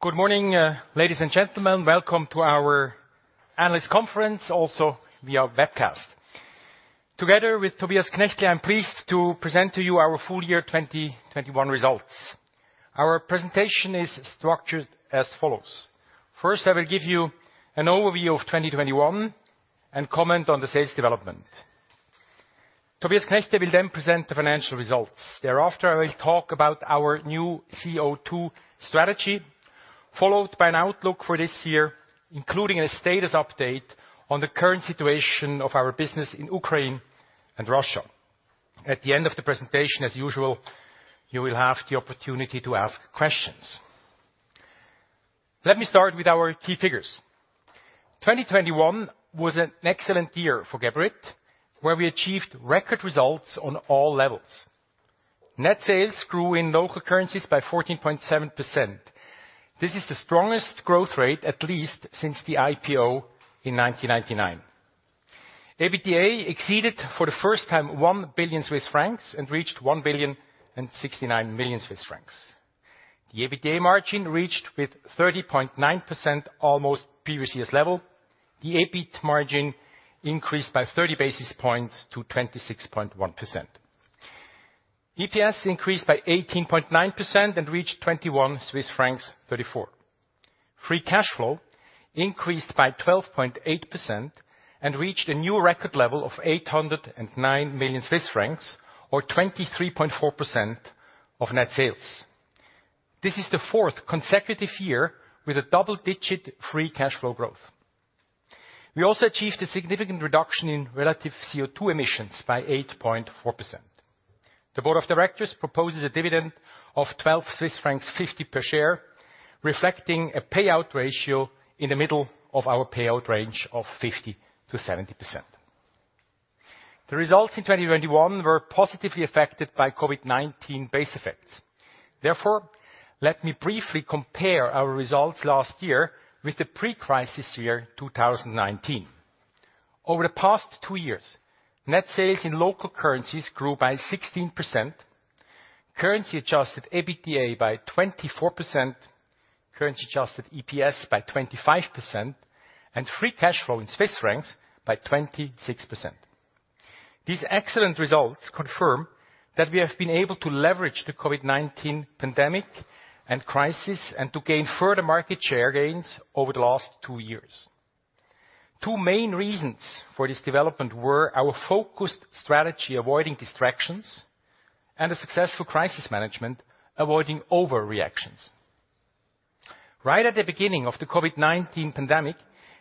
Good morning, ladies and gentlemen. Welcome to our analyst conference, also via webcast. Together with Tobias Knechtle, I'm pleased to present to you our full year 2021 results. Our presentation is structured as follows. First, I will give you an overview of 2021 and comment on the sales development. Tobias Knechtle will then present the financial results. Thereafter, I will talk about our new CO2 strategy, followed by an outlook for this year, including a status update on the current situation of our business in Ukraine and Russia. At the end of the presentation, as usual, you will have the opportunity to ask questions. Let me start with our key figures. 2021 was an excellent year for Geberit, where we achieved record results on all levels. Net sales grew in local currencies by 14.7%. This is the strongest growth rate, at least since the IPO in 1999. EBITDA exceeded for the first time 1 billion Swiss francs and reached 1,069 million Swiss francs. The EBITDA margin reached with 30.9% almost previous year's level. The EBIT margin increased by 30 basis points to 26.1%. EPS increased by 18.9% and reached 21.34 Swiss francs. Free cash flow increased by 12.8% and reached a new record level of 809 million Swiss francs or 23.4% of net sales. This is the fourth consecutive year with a double-digit free cash flow growth. We also achieved a significant reduction in relative CO2 emissions by 8.4%. The board of directors proposes a dividend of 12.50 Swiss francs per share, reflecting a payout ratio in the middle of our payout range of 50%-70%. The results in 2021 were positively affected by COVID-19 base effects. Therefore, let me briefly compare our results last year with the pre-crisis year, 2019. Over the past two years, net sales in local currencies grew by 16%, currency adjusted EBITDA by 24%, currency adjusted EPS by 25%, and free cash flow in Swiss francs by 26%. These excellent results confirm that we have been able to leverage the COVID-19 pandemic and crisis and to gain further market share gains over the last two years. Two main reasons for this development were our focused strategy, avoiding distractions, and a successful crisis management, avoiding overreactions. Right at the beginning of the COVID-19 pandemic,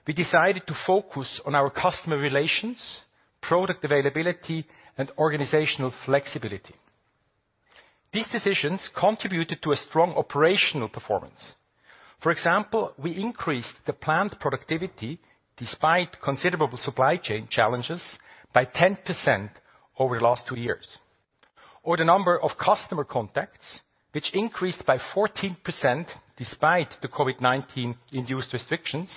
we decided to focus on our customer relations, product availability, and organizational flexibility. These decisions contributed to a strong operational performance. For example, we increased the plant productivity despite considerable supply chain challenges by 10% over the last two years. The number of customer contacts which increased by 14% despite the COVID-19-induced restrictions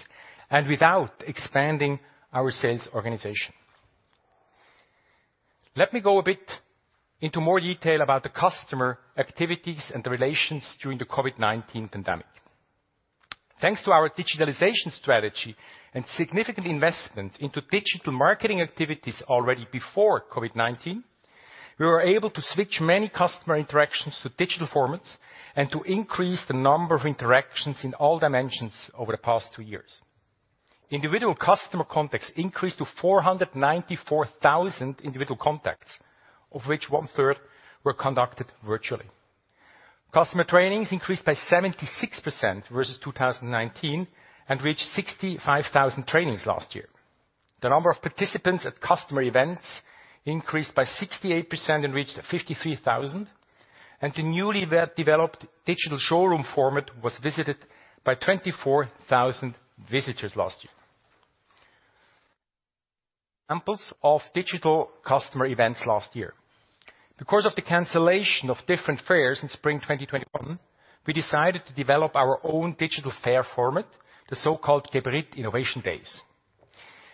and without expanding our sales organization. Let me go a bit into more detail about the customer activities and the relations during the COVID-19 pandemic. Thanks to our digitalization strategy and significant investment into digital marketing activities already before COVID-19, we were able to switch many customer interactions to digital formats and to increase the number of interactions in all dimensions over the past two years. Individual customer contacts increased to 494,000 individual contacts, of which one-third were conducted virtually. Customer trainings increased by 76% versus 2019 and reached 65,000 trainings last year. The number of participants at customer events increased by 68% and reached 53,000, and the newly developed digital showroom format was visited by 24,000 visitors last year. Examples of digital customer events last year. Because of the cancellation of different fairs in spring 2021, we decided to develop our own digital fair format, the so-called Geberit Innovation Days.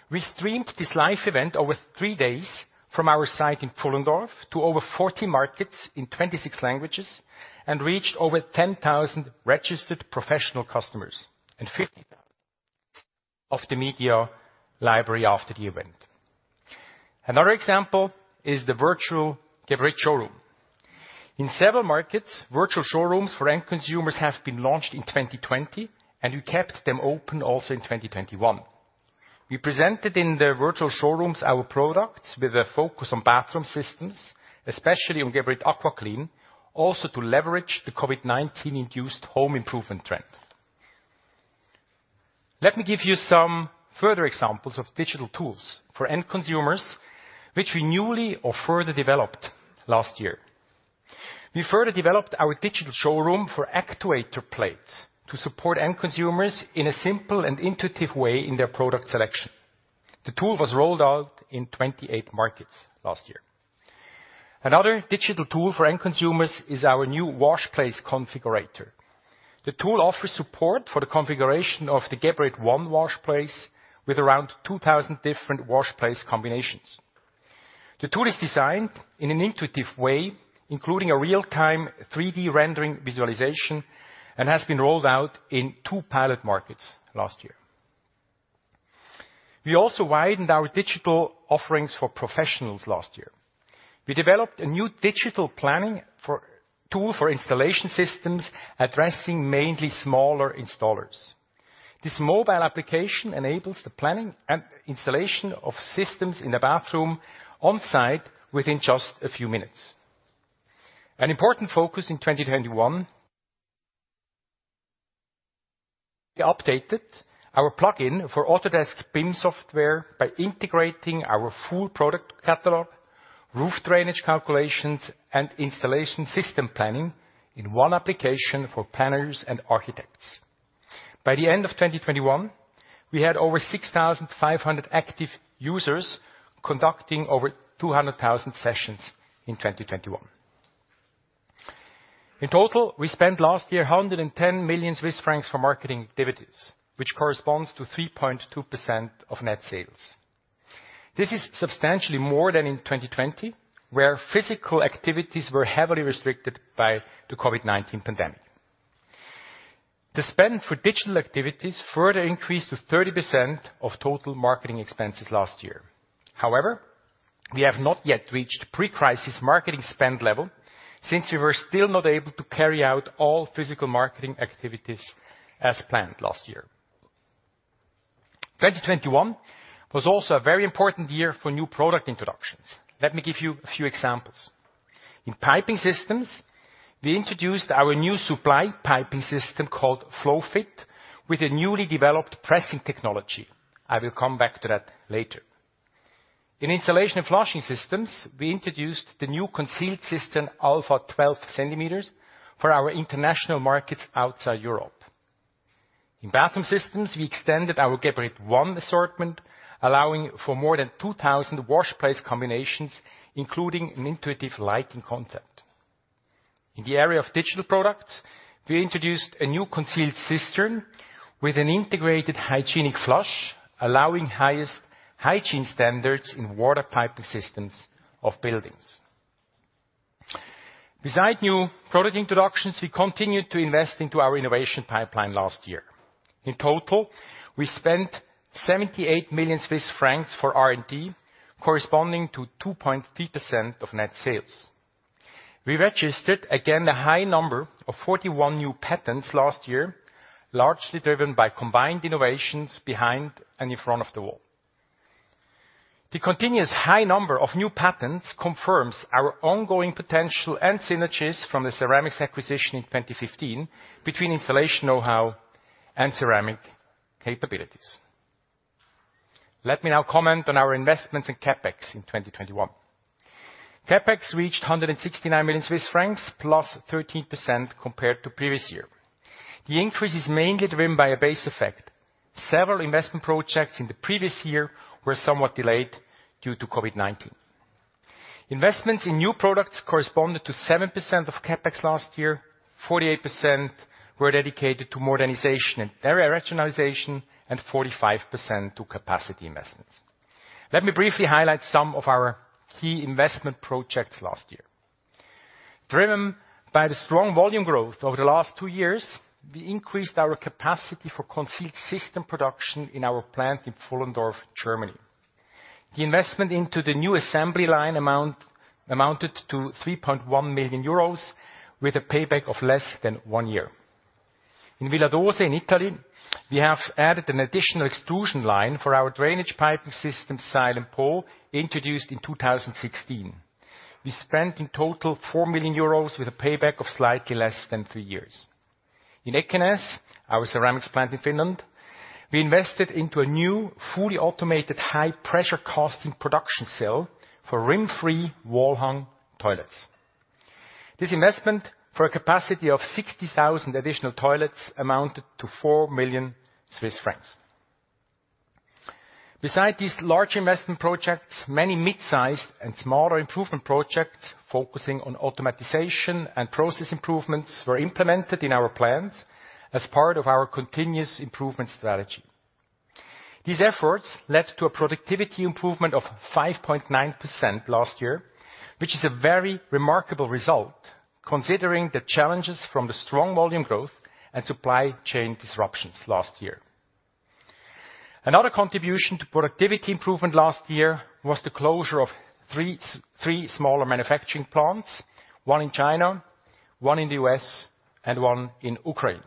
We streamed this live event over three days from our site in Pfullendorf to over 40 markets in 26 languages and reached over 10,000 registered professional customers and 50,000 of the media libraries after the event. Another example is the virtual Geberit showroom. In several markets, virtual showrooms for end consumers have been launched in 2020, and we kept them open also in 2021. We presented in the virtual showrooms our products with a focus on bathroom systems, especially on Geberit AquaClean, also to leverage the COVID-19 induced home improvement trend. Let me give you some further examples of digital tools for end consumers which we newly or further developed last year. We further developed our digital showroom for actuator plates to support end consumers in a simple and intuitive way in their product selection. The tool was rolled out in 28 markets last year. Another digital tool for end consumers is our new wash place configurator. The tool offers support for the configuration of the Geberit ONE wash place with around 2,000 different wash place combinations. The tool is designed in an intuitive way, including a real-time 3D-rendering visualization, and has been rolled out in 2 pilot markets last year. We also widened our digital offerings for professionals last year. We developed a new digital planning tool for installation systems, addressing mainly smaller installers. This mobile application enables the planning and installation of systems in a bathroom on site within just a few minutes. An important focus in 2021, we updated our plug-in for Autodesk Revit software by integrating our full product catalog, roof drainage calculations, and installation system planning in one application for planners and architects. By the end of 2021, we had over 6,500 active users conducting over 200,000 sessions in 2021. In total, we spent last year 110 million Swiss francs for marketing activities, which corresponds to 3.2% of net sales. This is substantially more than in 2020, where physical activities were heavily restricted by the COVID-19 pandemic. The spend for digital activities further increased to 30% of total marketing expenses last year. However, we have not yet reached pre-crisis marketing spend level since we were still not able to carry out all physical marketing activities as planned last year. 2021 was also a very important year for new product introductions. Let me give you a few examples. In Piping Systems, we introduced our new supply piping system called FlowFit with a newly developed pressing technology. I will come back to that later. In Installation and Flushing Systems, we introduced the new concealed system Alpha 12 cm for our international markets outside Europe. In Bathroom Systems, we extended our Geberit ONE assortment, allowing for more than 2,000 wash place combinations, including an intuitive lighting concept. In the area of digital products, we introduced a new concealed cistern with an integrated Hygiene Flush, allowing highest hygiene standards in water piping systems of buildings. Beside new product introductions, we continued to invest into our innovation pipeline last year. In total, we spent 78 million Swiss francs for R&D, corresponding to 2.3% of net sales. We registered again a high number of 41 new patents last year, largely driven by combined innovations behind and in front of the wall. The continuous high number of new patents confirms our ongoing potential and synergies from the ceramics acquisition in 2015 between installation know-how and ceramic capabilities. Let me now comment on our investments in CapEx in 2021. CapEx reached 169 million Swiss francs, plus 13% compared to previous year. The increase is mainly driven by a base effect. Several investment projects in the previous year were somewhat delayed due to COVID-19. Investments in new products corresponded to 7% of CapEx last year. 48% were dedicated to modernization and de-regionalization, and 45% to capacity investments. Let me briefly highlight some of our key investment projects last year. Driven by the strong volume growth over the last two years, we increased our capacity for concealed system production in our plant in Pfullendorf, Germany. The investment into the new assembly line amounted to 3.1 million euros with a payback of less than one year. In Villadose, in Italy, we have added an additional extrusion line for our drainage piping system, Silent-PP, introduced in 2016. We spent in total 4 million euros with a payback of slightly less than three years. In Ekenäs, our ceramics plant in Finland, we invested into a new fully automated high-pressure casting production cell for rim-free wall-hung toilets. This investment, for a capacity of 60,000 additional toilets, amounted to 4 million Swiss francs. Besides these large investment projects, many mid-sized and smaller improvement projects focusing on automation and process improvements were implemented in our plants as part of our continuous improvement strategy. These efforts led to a productivity improvement of 5.9% last year, which is a very remarkable result considering the challenges from the strong volume growth and supply chain disruptions last year. Another contribution to productivity improvement last year was the closure of three smaller manufacturing plants, one in China, one in the U.S., and one in Ukraine.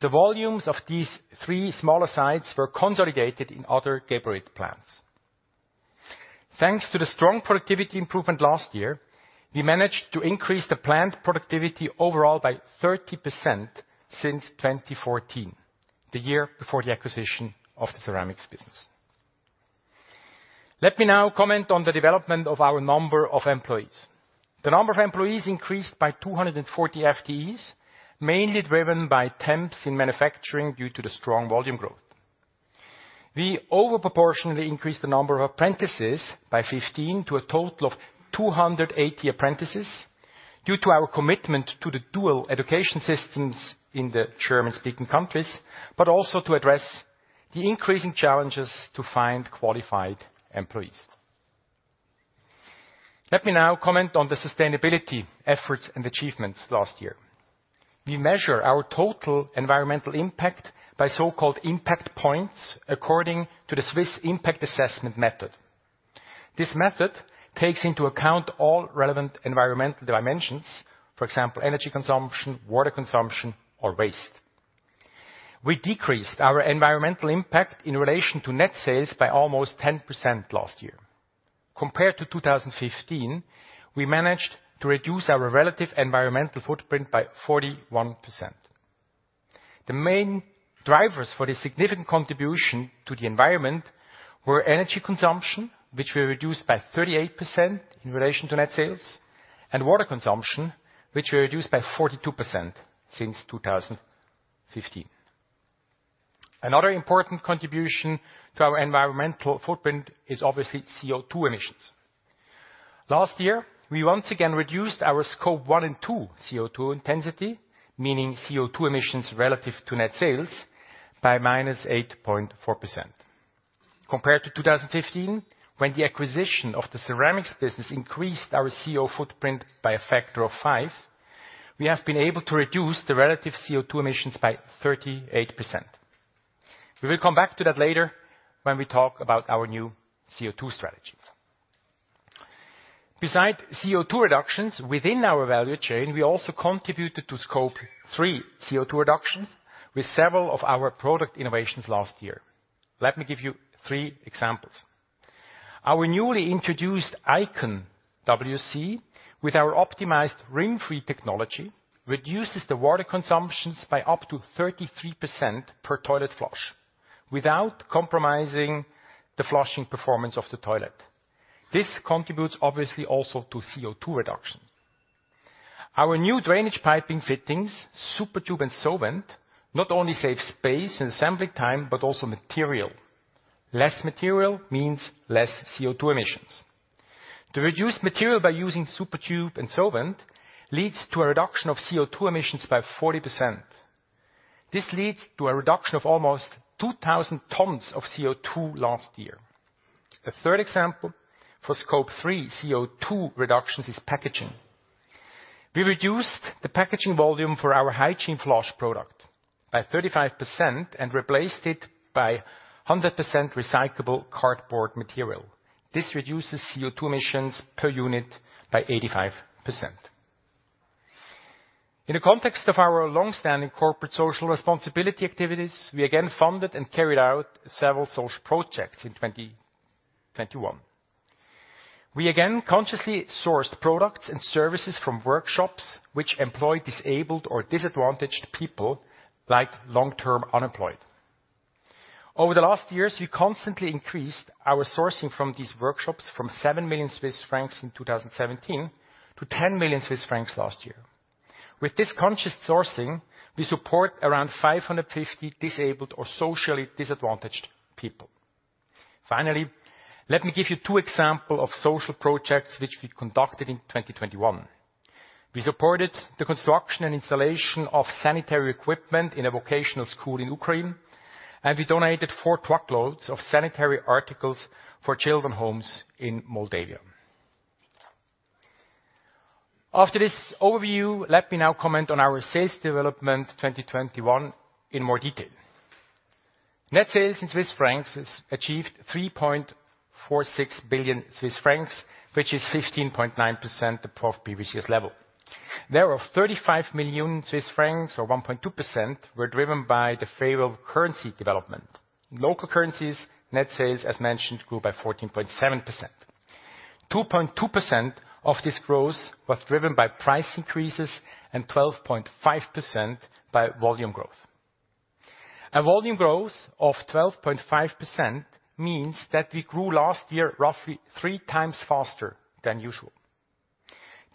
The volumes of these three smaller sites were consolidated in other Geberit plants. Thanks to the strong productivity improvement last year, we managed to increase the plant productivity overall by 30% since 2014, the year before the acquisition of the ceramics business. Let me now comment on the development of our number of employees. The number of employees increased by 240 FTEs, mainly driven by temps in manufacturing due to the strong volume growth. We over proportionally increased the number of apprentices by 15 to a total of 280 apprentices due to our commitment to the dual education systems in the German-speaking countries, but also to address the increasing challenges to find qualified employees. Let me now comment on the sustainability efforts and achievements last year. We measure our total environmental impact by so-called impact points according to the Swiss impact assessment method. This method takes into account all relevant environmental dimensions, for example, energy consumption, water consumption, or waste. We decreased our environmental impact in relation to net sales by almost 10% last year. Compared to 2015, we managed to reduce our relative environmental footprint by 41%. The main drivers for the significant contribution to the environment were energy consumption, which we reduced by 38% in relation to net sales, and water consumption, which we reduced by 42% since 2015. Another important contribution to our environmental footprint is obviously CO2 emissions. Last year, we once again reduced our Scope 1 and 2 CO2 intensity, meaning CO2 emissions relative to net sales, by -8.4%. Compared to 2015, when the acquisition of the ceramics business increased our CO2 footprint by a factor of five, we have been able to reduce the relative CO2 emissions by 38%. We will come back to that later when we talk about our new CO2 strategies. Besides CO2 reductions within our value chain, we also contributed to Scope 3 CO2 reductions with several of our product innovations last year. Let me give you three examples. Our newly introduced iCon WC with our optimized Rimfree technology reduces the water consumption by up to 33% per toilet flush without compromising the flushing performance of the toilet. This contributes obviously also to CO2 reduction. Our new drainage piping fittings, SuperTube and Sovent, not only save space and assembly time, but also material. Less material means less CO2 emissions. The reduced material by using SuperTube and Sovent leads to a reduction of CO2 emissions by 40%. This leads to a reduction of almost 2,000 tons of CO2 last year. A third example for Scope 3 CO2 reductions is packaging. We reduced the packaging volume for our Hygiene Flush product by 35% and replaced it by 100% recyclable cardboard material. This reduces CO2 emissions per unit by 85%. In the context of our long-standing corporate social responsibility activities, we again funded and carried out several social projects in 2021. We again consciously sourced products and services from workshops which employ disabled or disadvantaged people, like long-term unemployed. Over the last years, we constantly increased our sourcing from these workshops from 7 million Swiss francs in 2017 to 10 million Swiss francs last year. With this conscious sourcing, we support around 550 disabled or socially disadvantaged people. Finally, let me give you two examples of social projects which we conducted in 2021. We supported the construction and installation of sanitary equipment in a vocational school in Ukraine, and we donated four truckloads of sanitary articles for children's homes in Moldova. After this overview, let me now comment on our sales development 2021 in more detail. Net sales in CHF achieved 3.46 billion Swiss francs, which is 15.9% above previous year's level. Thereof, 35 million Swiss francs or 1.2% were driven by the favorable currency development. Local currencies, net sales, as mentioned, grew by 14.7%. 2.2% of this growth was driven by price increases and 12.5% by volume growth. A volume growth of 12.5% means that we grew last year roughly three times faster than usual.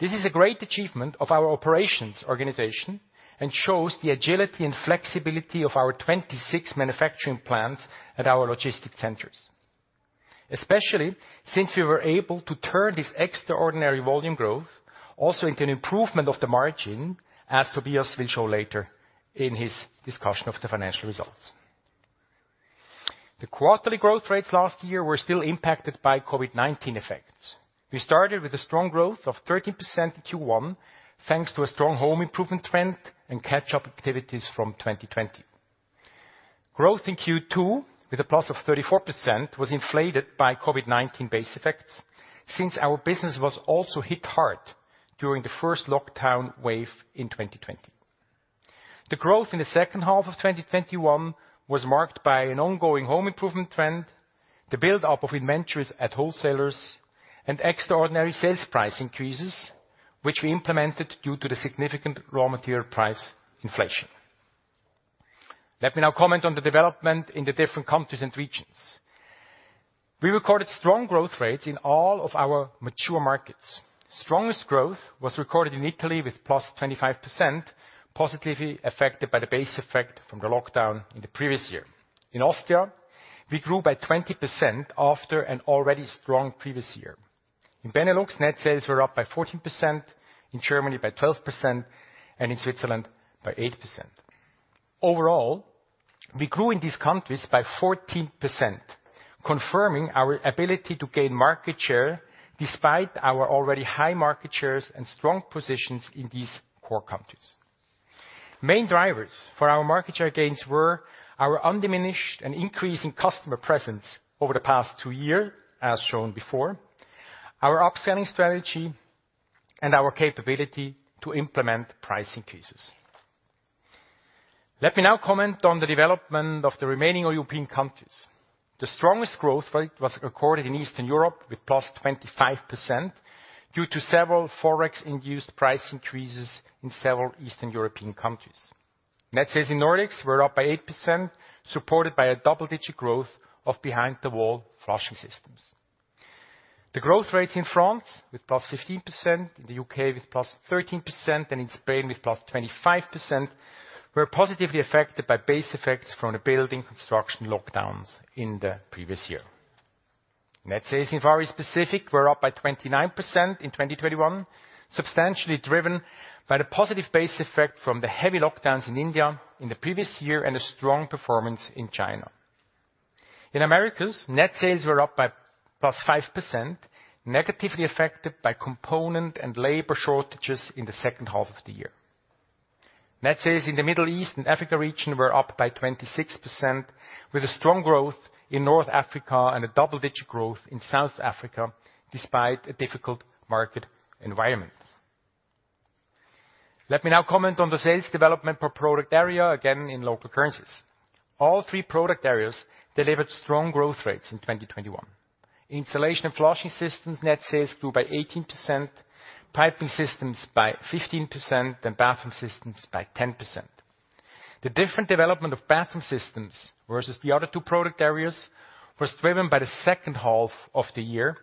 This is a great achievement of our operations organization and shows the agility and flexibility of our 26 manufacturing plants at our logistics centers. Especially since we were able to turn this extraordinary volume growth also into an improvement of the margin, as Tobias will show later in his discussion of the financial results. The quarterly growth rates last year were still impacted by COVID-19 effects. We started with a strong growth of 13% in Q1, thanks to a strong home improvement trend and catch-up activities from 2020. Growth in Q2, with a plus of 34%, was inflated by COVID-19 base effects since our business was also hit hard during the first lockdown wave in 2020. The growth in the second half of 2021 was marked by an ongoing home improvement trend, the buildup of inventories at wholesalers, and extraordinary sales price increases, which we implemented due to the significant raw material price inflation. Let me now comment on the development in the different countries and regions. We recorded strong growth rates in all of our mature markets. Strongest growth was recorded in Italy with +25%, positively affected by the base effect from the lockdown in the previous year. In Austria, we grew by 20% after an already strong previous year. In Benelux, net sales were up by 14%, in Germany by 12%, and in Switzerland by 8%. Overall, we grew in these countries by 14%, confirming our ability to gain market share despite our already high market shares and strong positions in these core countries. Main drivers for our market share gains were our undiminished and increasing customer presence over the past two years, as shown before, our upselling strategy, and our capability to implement price increases. Let me now comment on the development of the remaining European countries. The strongest growth rate was recorded in Eastern Europe with +25% due to several forex-induced price increases in several Eastern European countries. Net sales in Nordics were up by 8%, supported by a double-digit growth of behind the wall flushing systems. The growth rate in France with +15%, in the U.K. with +13%, and in Spain with +25% were positively affected by base effects from the building construction lockdowns in the previous year. Net sales in Far East Pacific were up by 29% in 2021, substantially driven by the positive base effect from the heavy lockdowns in India in the previous year and a strong performance in China. In Americas, net sales were up by +5%, negatively affected by component and labor shortages in the second half of the year. Net sales in the Middle East and Africa region were up by 26% with a strong growth in North Africa and a double-digit growth in South Africa despite a difficult market environment. Let me now comment on the sales development per product area, again, in local currencies. All three product areas delivered strong growth rates in 2021. Installation and Flushing Systems net sales grew by 18%, Piping Systems by 15%, and Bathroom Systems by 10%. The different development of bathroom systems versus the other two product areas was driven by the second half of the year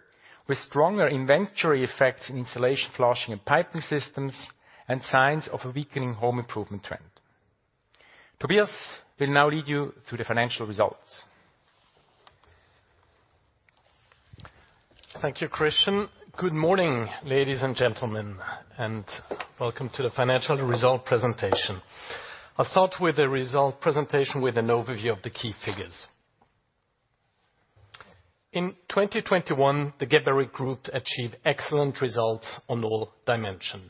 with stronger inventory effects in installation, flushing, and piping systems and signs of a weakening home improvement trend. Tobias will now lead you through the financial results. Thank you, Christian. Good morning, ladies and gentlemen, and welcome to the financial result presentation. I'll start with the result presentation with an overview of the key figures. In 2021, the Geberit Group achieved excellent results on all dimensions.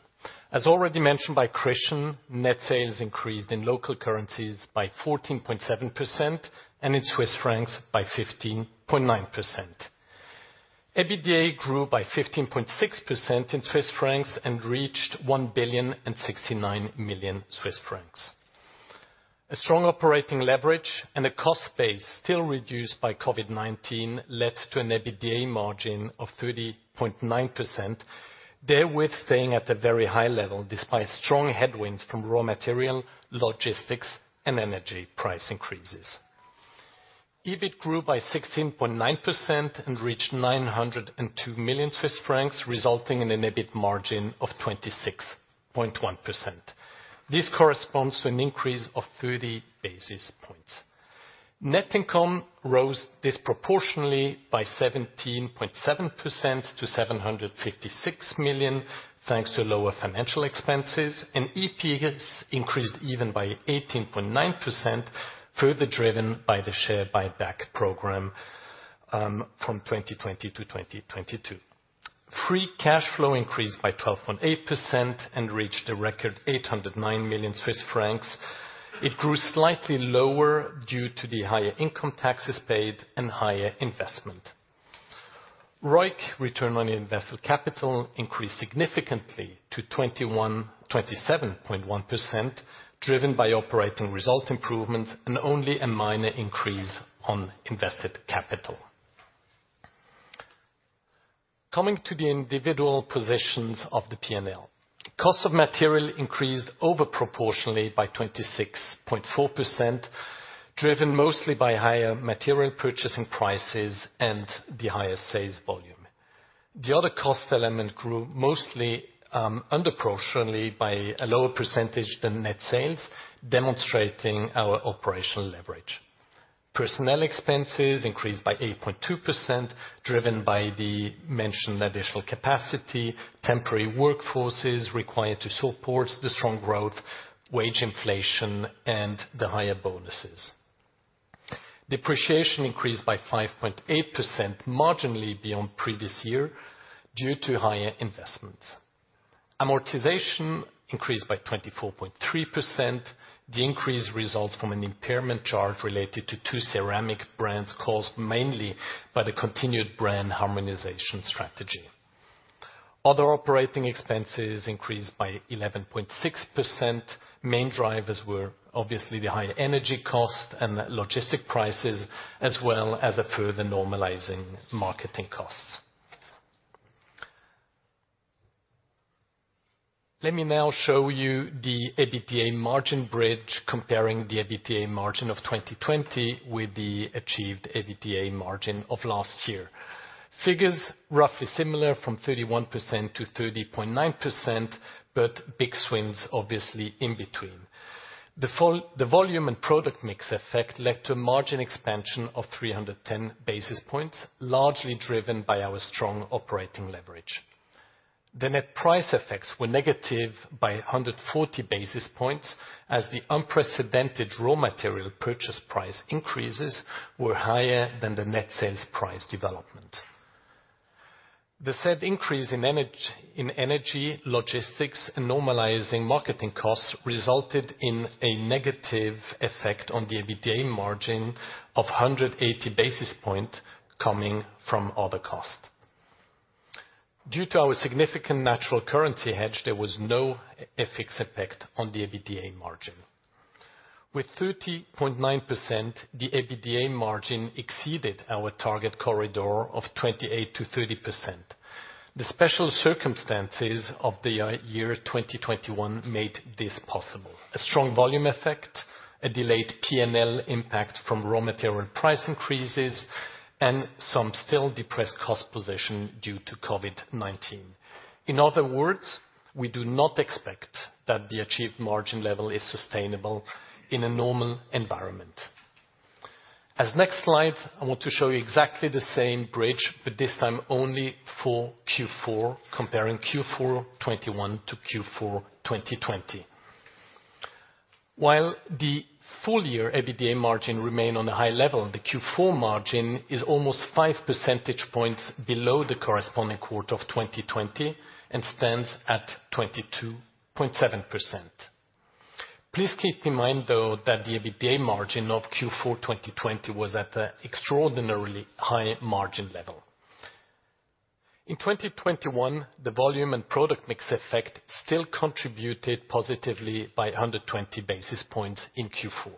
As already mentioned by Christian, net sales increased in local currencies by 14.7% and in Swiss francs by 15.9%. EBITDA grew by 15.6% in Swiss francs and reached 1,069 million Swiss francs. A strong operating leverage and a cost base still reduced by COVID-19 led to an EBITDA margin of 30.9%, therewith staying at a very high level despite strong headwinds from raw material, logistics, and energy price increases. EBIT grew by 16.9% and reached 902 million Swiss francs, resulting in an EBIT margin of 26.1%. This corresponds to an increase of 30 basis points. Net income rose disproportionally by 17.7% to 756 million, thanks to lower financial expenses. EPS increased even by 18.9%, further driven by the share buyback program from 2020 to 2022. Free cash flow increased by 12.8% and reached a record 809 million Swiss francs. It grew slightly lower due to the higher income taxes paid and higher investment. ROIC, return on invested capital, increased significantly to 27.1%, driven by operating result improvement and only a minor increase on invested capital. Coming to the individual positions of the P&L. Cost of material increased over proportionally by 26.4%, driven mostly by higher material purchasing prices and the higher sales volume. The other cost element grew mostly underproportionally by a lower percentage than net sales, demonstrating our operational leverage. Personnel expenses increased by 8.2%, driven by the mentioned additional capacity, temporary workforces required to support the strong growth, wage inflation, and the higher bonuses. Depreciation increased by 5.8% marginally beyond previous year due to higher investments. Amortization increased by 24.3%. The increase results from an impairment charge related to two ceramic brands caused mainly by the continued brand harmonization strategy. Other operating expenses increased by 11.6%. Main drivers were obviously the higher energy cost and logistic prices, as well as a further normalizing marketing costs. Let me now show you the EBITDA margin bridge comparing the EBITDA margin of 2020 with the achieved EBITDA margin of last year. Figures roughly similar from 31% to 30.9%, but big swings obviously in between. The volume and product mix effect led to a margin expansion of 310 basis points, largely driven by our strong operating leverage. The net price effects were negative by 140 basis points as the unprecedented raw material purchase price increases were higher than the net sales price development. The said increase in energy, logistics, and normalizing marketing costs resulted in a negative effect on the EBITDA margin of 180 basis points coming from other costs. Due to our significant natural currency hedge, there was no FX effect on the EBITDA margin. With 30.9%, the EBITDA margin exceeded our target corridor of 28%-30%. The special circumstances of the year 2021 made this possible. A strong volume effect, a delayed P&L impact from raw material price increases, and some still depressed cost position due to COVID-19. In other words, we do not expect that the achieved margin level is sustainable in a normal environment. On the next slide, I want to show you exactly the same bridge, but this time only for Q4, comparing Q4 2021 to Q4 2020. While the full year EBITDA margin remains on a high level, the Q4 margin is almost 5 percentage points below the corresponding quarter of 2020 and stands at 22.7%. Please keep in mind, though, that the EBITDA margin of Q4 2020 was at an extraordinarily high margin level. In 2021, the volume and product mix effect still contributed positively by 120 basis points in Q4.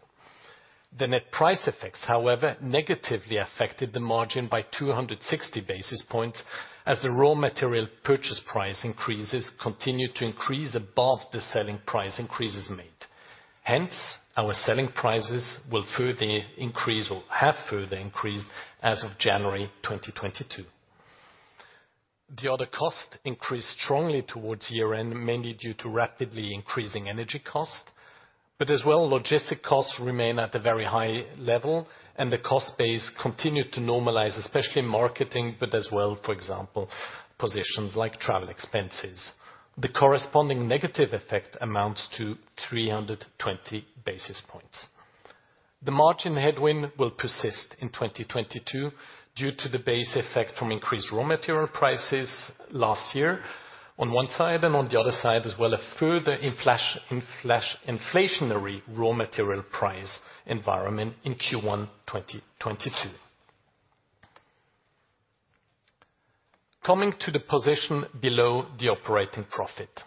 The net price effects, however, negatively affected the margin by 260 basis points as the raw material purchase price increases continued to increase above the selling price increases made. Hence, our selling prices will further increase or have further increased as of January 2022. The other cost increased strongly towards year-end, mainly due to rapidly increasing energy cost. As well, logistic costs remain at a very high level, and the cost base continued to normalize, especially in marketing, but as well, for example, positions like travel expenses. The corresponding negative effect amounts to 320 basis points. The margin headwind will persist in 2022 due to the base effect from increased raw material prices last year on one side, and on the other side as well, a further inflationary raw material price environment in Q1 2022. Coming to the position below the operating profit.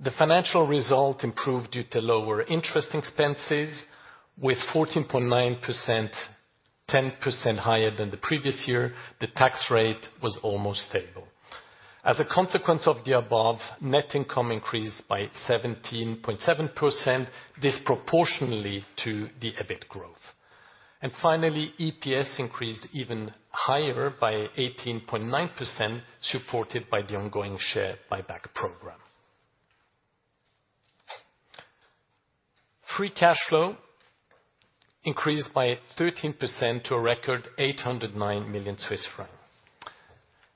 The financial result improved due to lower interest expenses with 14.9%, 10% higher than the previous year. The tax rate was almost stable. As a consequence of the above, net income increased by 17.7%, disproportionately to the EBIT growth. Finally, EPS increased even higher by 18.9%, supported by the ongoing share buyback program. Free cash flow increased by 13% to a record 809 million Swiss francs.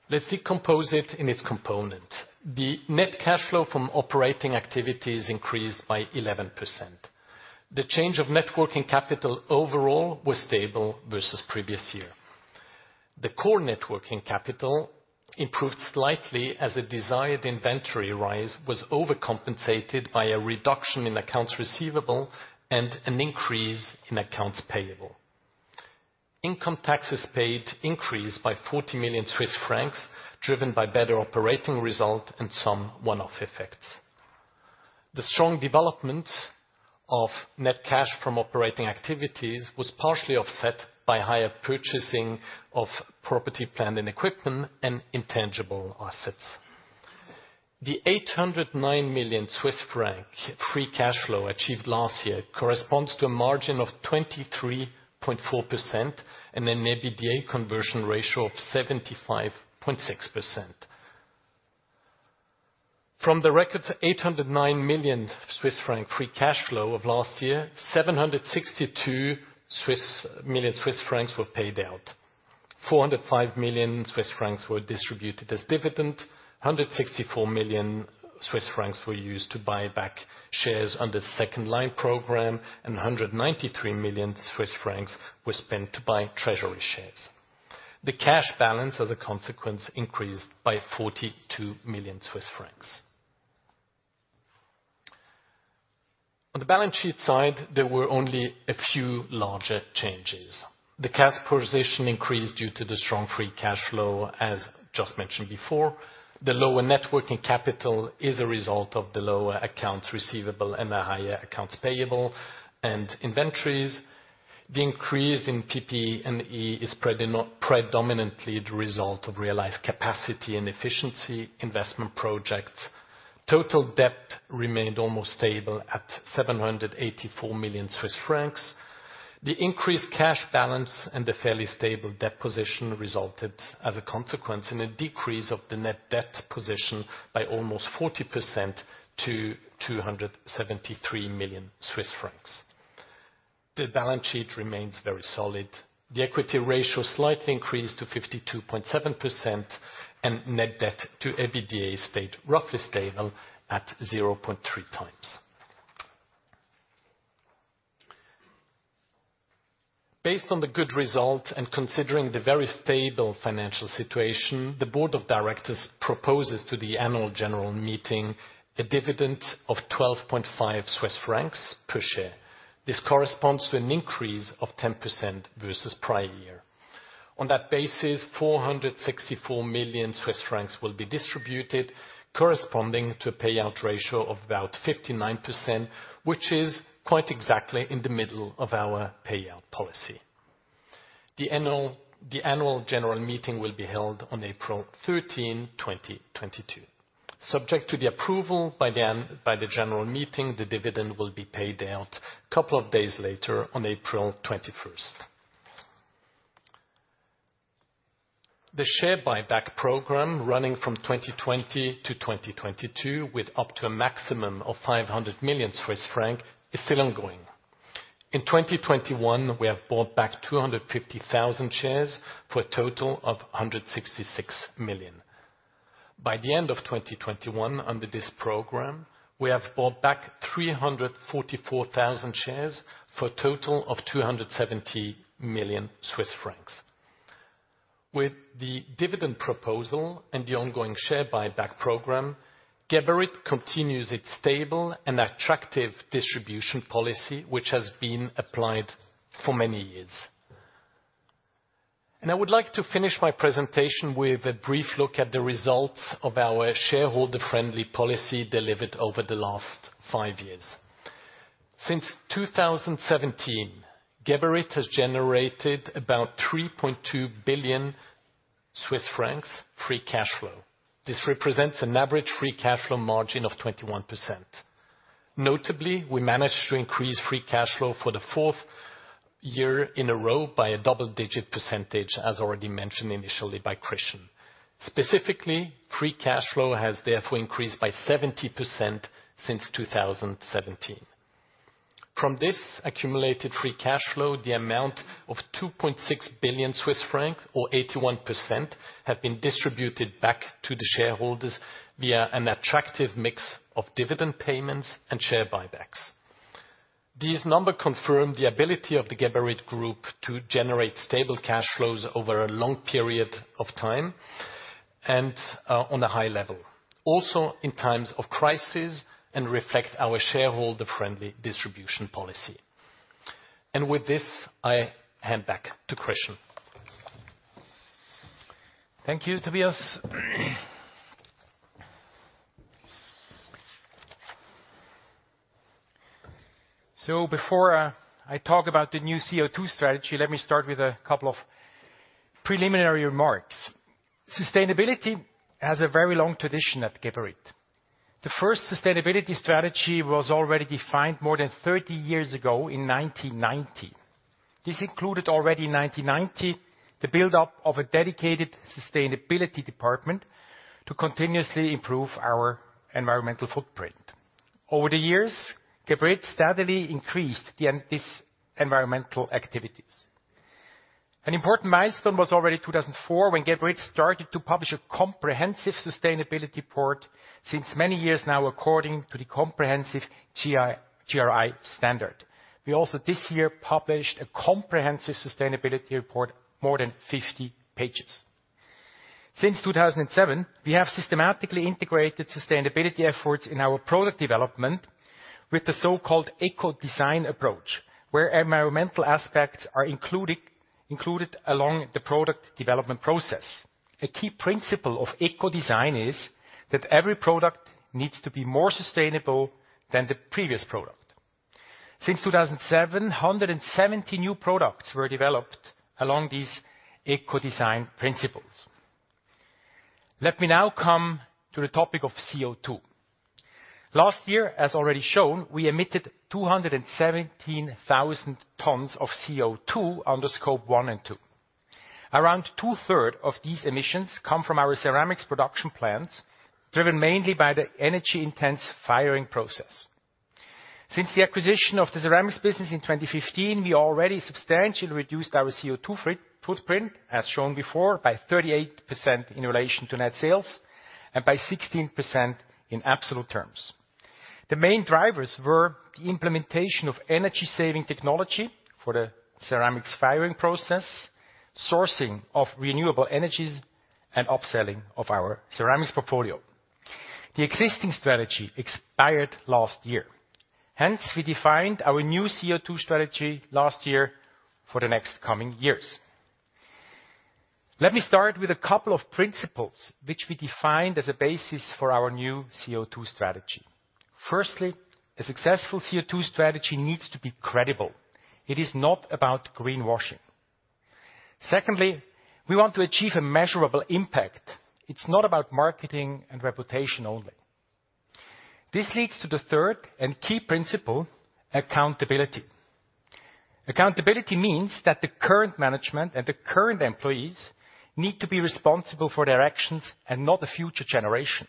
Let's decompose it into its components. The net cash flow from operating activities increased by 11%. The change of net working capital overall was stable versus previous year. The core net working capital improved slightly as the desired inventory rise was overcompensated by a reduction in accounts receivable and an increase in accounts payable. Income taxes paid increased by 40 million Swiss francs, driven by better operating result and some one-off effects. The strong development of net cash from operating activities was partially offset by higher purchasing of property, plant, and equipment, and intangible assets. The 809 million Swiss franc free cash flow achieved last year corresponds to a margin of 23.4% and an EBITDA conversion ratio of 75.6%. From the record 809 million Swiss franc free cash flow of last year, 762 million Swiss francs were paid out. 405 million Swiss francs were distributed as dividend. 164 million Swiss francs were used to buy back shares under the second line program, and 193 million Swiss francs were spent to buy treasury shares. The cash balance, as a consequence, increased by 42 million Swiss francs. On the balance sheet side, there were only a few larger changes. The cash position increased due to the strong free cash flow, as just mentioned before. The lower net working capital is a result of the lower accounts receivable and the higher accounts payable and inventories. The increase in PP&E is predominantly the result of realized capacity and efficiency investment projects. Total debt remained almost stable at 784 million Swiss francs. The increased cash balance and the fairly stable debt position resulted as a consequence in a decrease of the net debt position by almost 40% to 273 million Swiss francs. The balance sheet remains very solid. The equity ratio slightly increased to 52.7%, and net debt to EBITDA stayed roughly stable at 0.3 times. Based on the good result and considering the very stable financial situation, the board of directors proposes to the annual general meeting a dividend of 12.5 Swiss francs per share. This corresponds to an increase of 10% versus prior year. On that basis, 464 million Swiss francs will be distributed corresponding to a payout ratio of about 59%, which is quite exactly in the middle of our payout policy. The annual general meeting will be held on April 13, 2022. Subject to the approval by the general meeting, the dividend will be paid out a couple of days later on April 21. The share buyback program running from 2020 to 2022 with up to a maximum of 500 million Swiss francs is still ongoing. In 2021, we have bought back 250,000 shares for a total of 166 million. By the end of 2021, under this program, we have bought back 344,000 shares for a total of 270 million Swiss francs. With the dividend proposal and the ongoing share buyback program, Geberit continues its stable and attractive distribution policy, which has been applied for many years. Now I would like to finish my presentation with a brief look at the results of our shareholder-friendly policy delivered over the last five years. Since 2017, Geberit has generated about 3.2 billion Swiss francs free cash flow. This represents an average free cash flow margin of 21%. Notably, we managed to increase free cash flow for the 4th year in a row by a double-digit percentage, as already mentioned initially by Christian. Specifically, free cash flow has therefore increased by 70% since 2017. From this accumulated free cash flow, the amount of 2.6 billion Swiss francs or 81% have been distributed back to the shareholders via an attractive mix of dividend payments and share buybacks. These numbers confirm the ability of the Geberit Group to generate stable cash flows over a long period of time and on a high level, also in times of crisis, and reflect our shareholder-friendly distribution policy. With this, I hand back to Christian. Thank you, Tobias. Before I talk about the new CO2 strategy, let me start with a couple of preliminary remarks. Sustainability has a very long tradition at Geberit. The first sustainability strategy was already defined more than 30 years ago in 1990. This included already in 1990 the build-up of a dedicated sustainability department to continuously improve our environmental footprint. Over the years, Geberit steadily increased these environmental activities. An important milestone was already 2004 when Geberit started to publish a comprehensive sustainability report since many years now according to the comprehensive GRI standard. We also this year published a comprehensive sustainability report more than 50 pages. Since 2007, we have systematically integrated sustainability efforts in our product development with the so-called eco-design approach, where environmental aspects are included along the product development process. A key principle of eco-design is that every product needs to be more sustainable than the previous product. Since 2007, 170 new products were developed along these eco-design principles. Let me now come to the topic of CO2. Last year, as already shown, we emitted 217,000 tons of CO2 under Scope 1 and 2. Around two-thirds of these emissions come from our ceramics production plants, driven mainly by the energy-intensive firing process. Since the acquisition of the ceramics business in 2015, we already substantially reduced our CO2 footprint, as shown before, by 38% in relation to net sales and by 16% in absolute terms. The main drivers were the implementation of energy saving technology for the ceramics firing process, sourcing of renewable energies, and upselling of our ceramics portfolio. The existing strategy expired last year. Hence, we defined our new CO2 strategy last year for the next coming years. Let me start with a couple of principles which we defined as a basis for our new CO2 strategy. Firstly, a successful CO2 strategy needs to be credible. It is not about greenwashing. Secondly, we want to achieve a measurable impact. It's not about marketing and reputation only. This leads to the third and key principle, accountability. Accountability means that the current management and the current employees need to be responsible for their actions and not the future generation.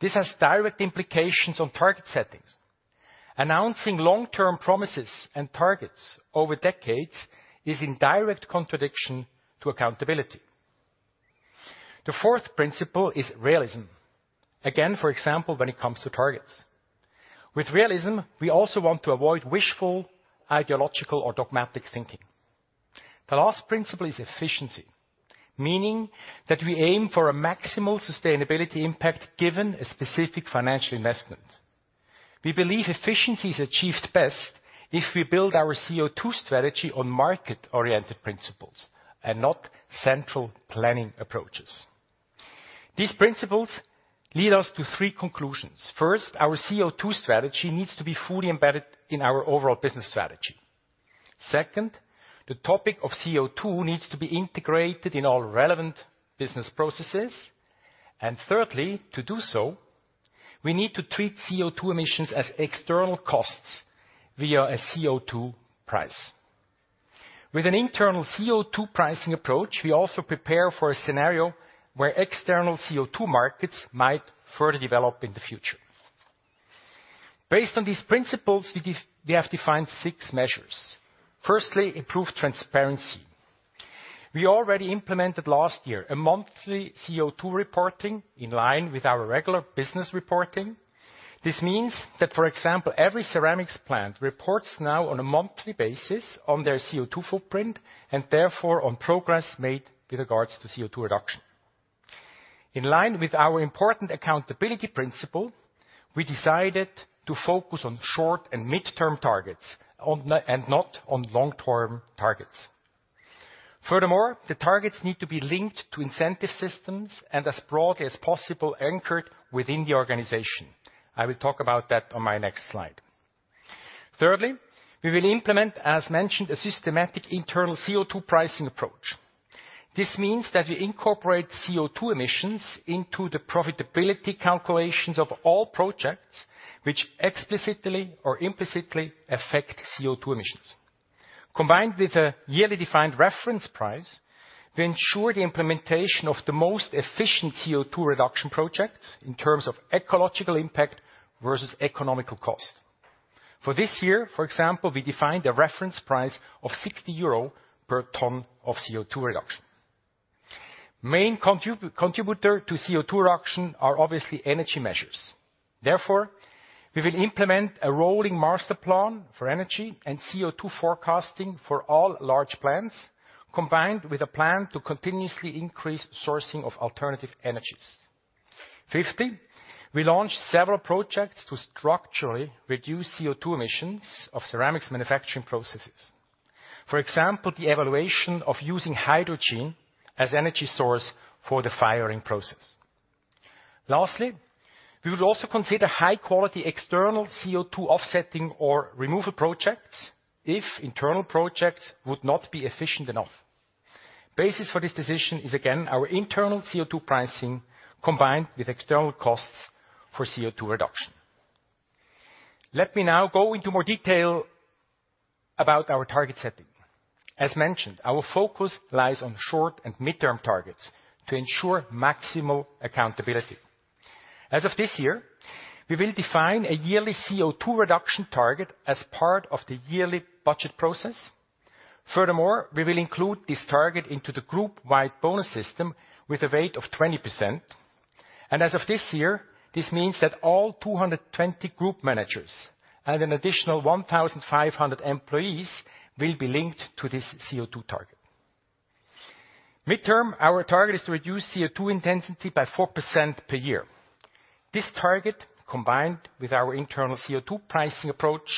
This has direct implications on target settings. Announcing long-term promises and targets over decades is in direct contradiction to accountability. The fourth principle is realism. Again, for example, when it comes to targets. With realism, we also want to avoid wishful, ideological, or dogmatic thinking. The last principle is efficiency, meaning that we aim for a maximal sustainability impact given a specific financial investment. We believe efficiency is achieved best if we build our CO2 strategy on market-oriented principles and not central planning approaches. These principles lead us to three conclusions. First, our CO2 strategy needs to be fully embedded in our overall business strategy. Second, the topic of CO2 needs to be integrated in all relevant business processes. Thirdly, to do so, we need to treat CO2 emissions as external costs via a CO2 price. With an internal CO2 pricing approach, we also prepare for a scenario where external CO2 markets might further develop in the future. Based on these principles, we have defined six measures. Firstly, improved transparency. We already implemented last year a monthly CO2 reporting in line with our regular business reporting. This means that, for example, every ceramics plant reports now on a monthly basis on their CO2 footprint, and therefore, on progress made with regards to CO2 reduction. In line with our important accountability principle, we decided to focus on short and midterm targets and not on long-term targets. Furthermore, the targets need to be linked to incentive systems and as broadly as possible anchored within the organization. I will talk about that on my next slide. Thirdly, we will implement, as mentioned, a systematic internal CO2 pricing approach. This means that we incorporate CO2 emissions into the profitability calculations of all projects which explicitly or implicitly affect CO2 emissions. Combined with a yearly defined reference price, we ensure the implementation of the most efficient CO2 reduction projects in terms of ecological impact versus economical cost. For this year, for example, we defined a reference price of 60 euro per ton of CO2 reduction. Main contributor to CO2 reduction are obviously energy measures. Therefore, we will implement a rolling master plan for energy and CO2 forecasting for all large plants, combined with a plan to continuously increase sourcing of alternative energies. Fifthly, we launched several projects to structurally reduce CO2 emissions of ceramics manufacturing processes. For example, the evaluation of using hydrogen as energy source for the firing process. Lastly, we would also consider high-quality external CO2 offsetting or removal projects if internal projects would not be efficient enough. The basis for this decision is, again, our internal CO2 pricing combined with external costs for CO2 reduction. Let me now go into more detail about our target setting. As mentioned, our focus lies on short and midterm targets to ensure maximal accountability. As of this year, we will define a yearly CO2 reduction target as part of the yearly budget process. Furthermore, we will include this target into the group-wide bonus system with a weight of 20%. As of this year, this means that all 220 group managers and an additional 1,500 employees will be linked to this CO2 target. Midterm, our target is to reduce CO2 intensity by 4% per year. This target, combined with our internal CO2 pricing approach,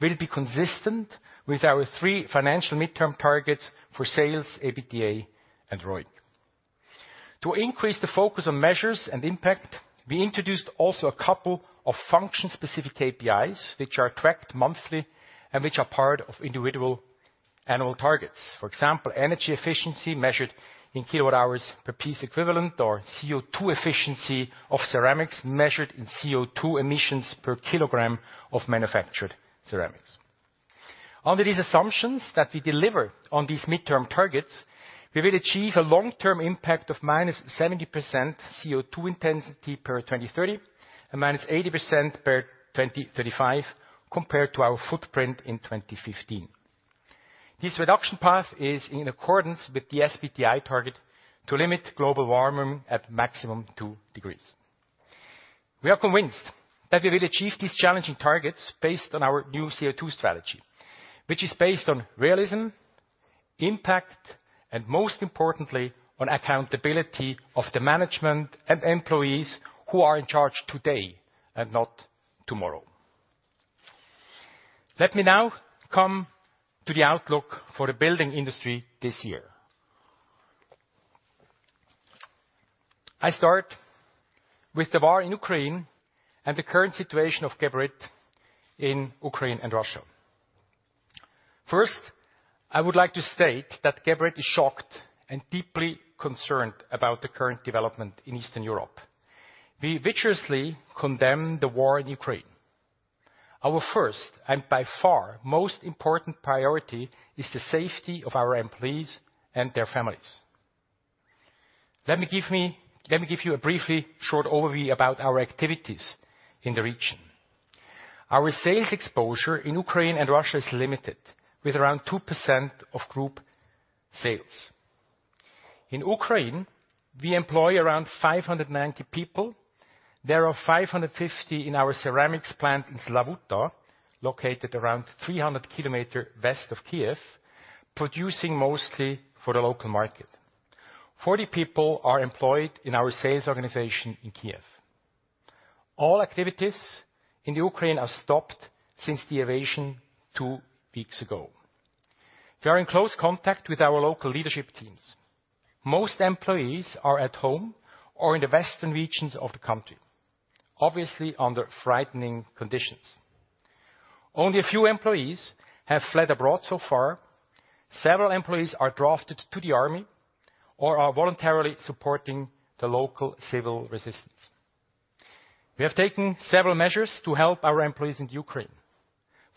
will be consistent with our three financial midterm targets for sales, EBITDA, and ROIC. To increase the focus on measures and impact, we introduced also a couple of function-specific KPIs, which are tracked monthly and which are part of individual annual targets. For example, energy efficiency measured in kilowatt hours per piece equivalent or CO2 efficiency of ceramics measured in CO2 emissions per kilogram of manufactured ceramics. Under these assumptions that we deliver on these midterm targets, we will achieve a long-term impact of -70% CO2 intensity by 2030 and -80% by 2035 compared to our footprint in 2015. This reduction path is in accordance with the SBTi target to limit global warming at maximum 2 degrees. We are convinced that we will achieve these challenging targets based on our new CO2 strategy, which is based on realism, impact, and most importantly, on accountability of the management and employees who are in charge today and not tomorrow. Let me now come to the outlook for the building industry this year. I start with the war in Ukraine and the current situation of Geberit in Ukraine and Russia. First, I would like to state that Geberit is shocked and deeply concerned about the current development in Eastern Europe. We vigorously condemn the war in Ukraine. Our first, and by far most important priority, is the safety of our employees and their families. Let me give you a brief overview about our activities in the region. Our sales exposure in Ukraine and Russia is limited, with around 2% of group sales. In Ukraine, we employ around 590 people. There are 550 in our ceramics plant in Slavuta, located around 300 kilometer west of Kiev, producing mostly for the local market. 40 people are employed in our sales organization in Kiev. All activities in Ukraine are stopped since the invasion two weeks ago. We are in close contact with our local leadership teams. Most employees are at home or in the western regions of the country, obviously under frightening conditions. Only a few employees have fled abroad so far. Several employees are drafted to the army or are voluntarily supporting the local civil resistance. We have taken several measures to help our employees in Ukraine.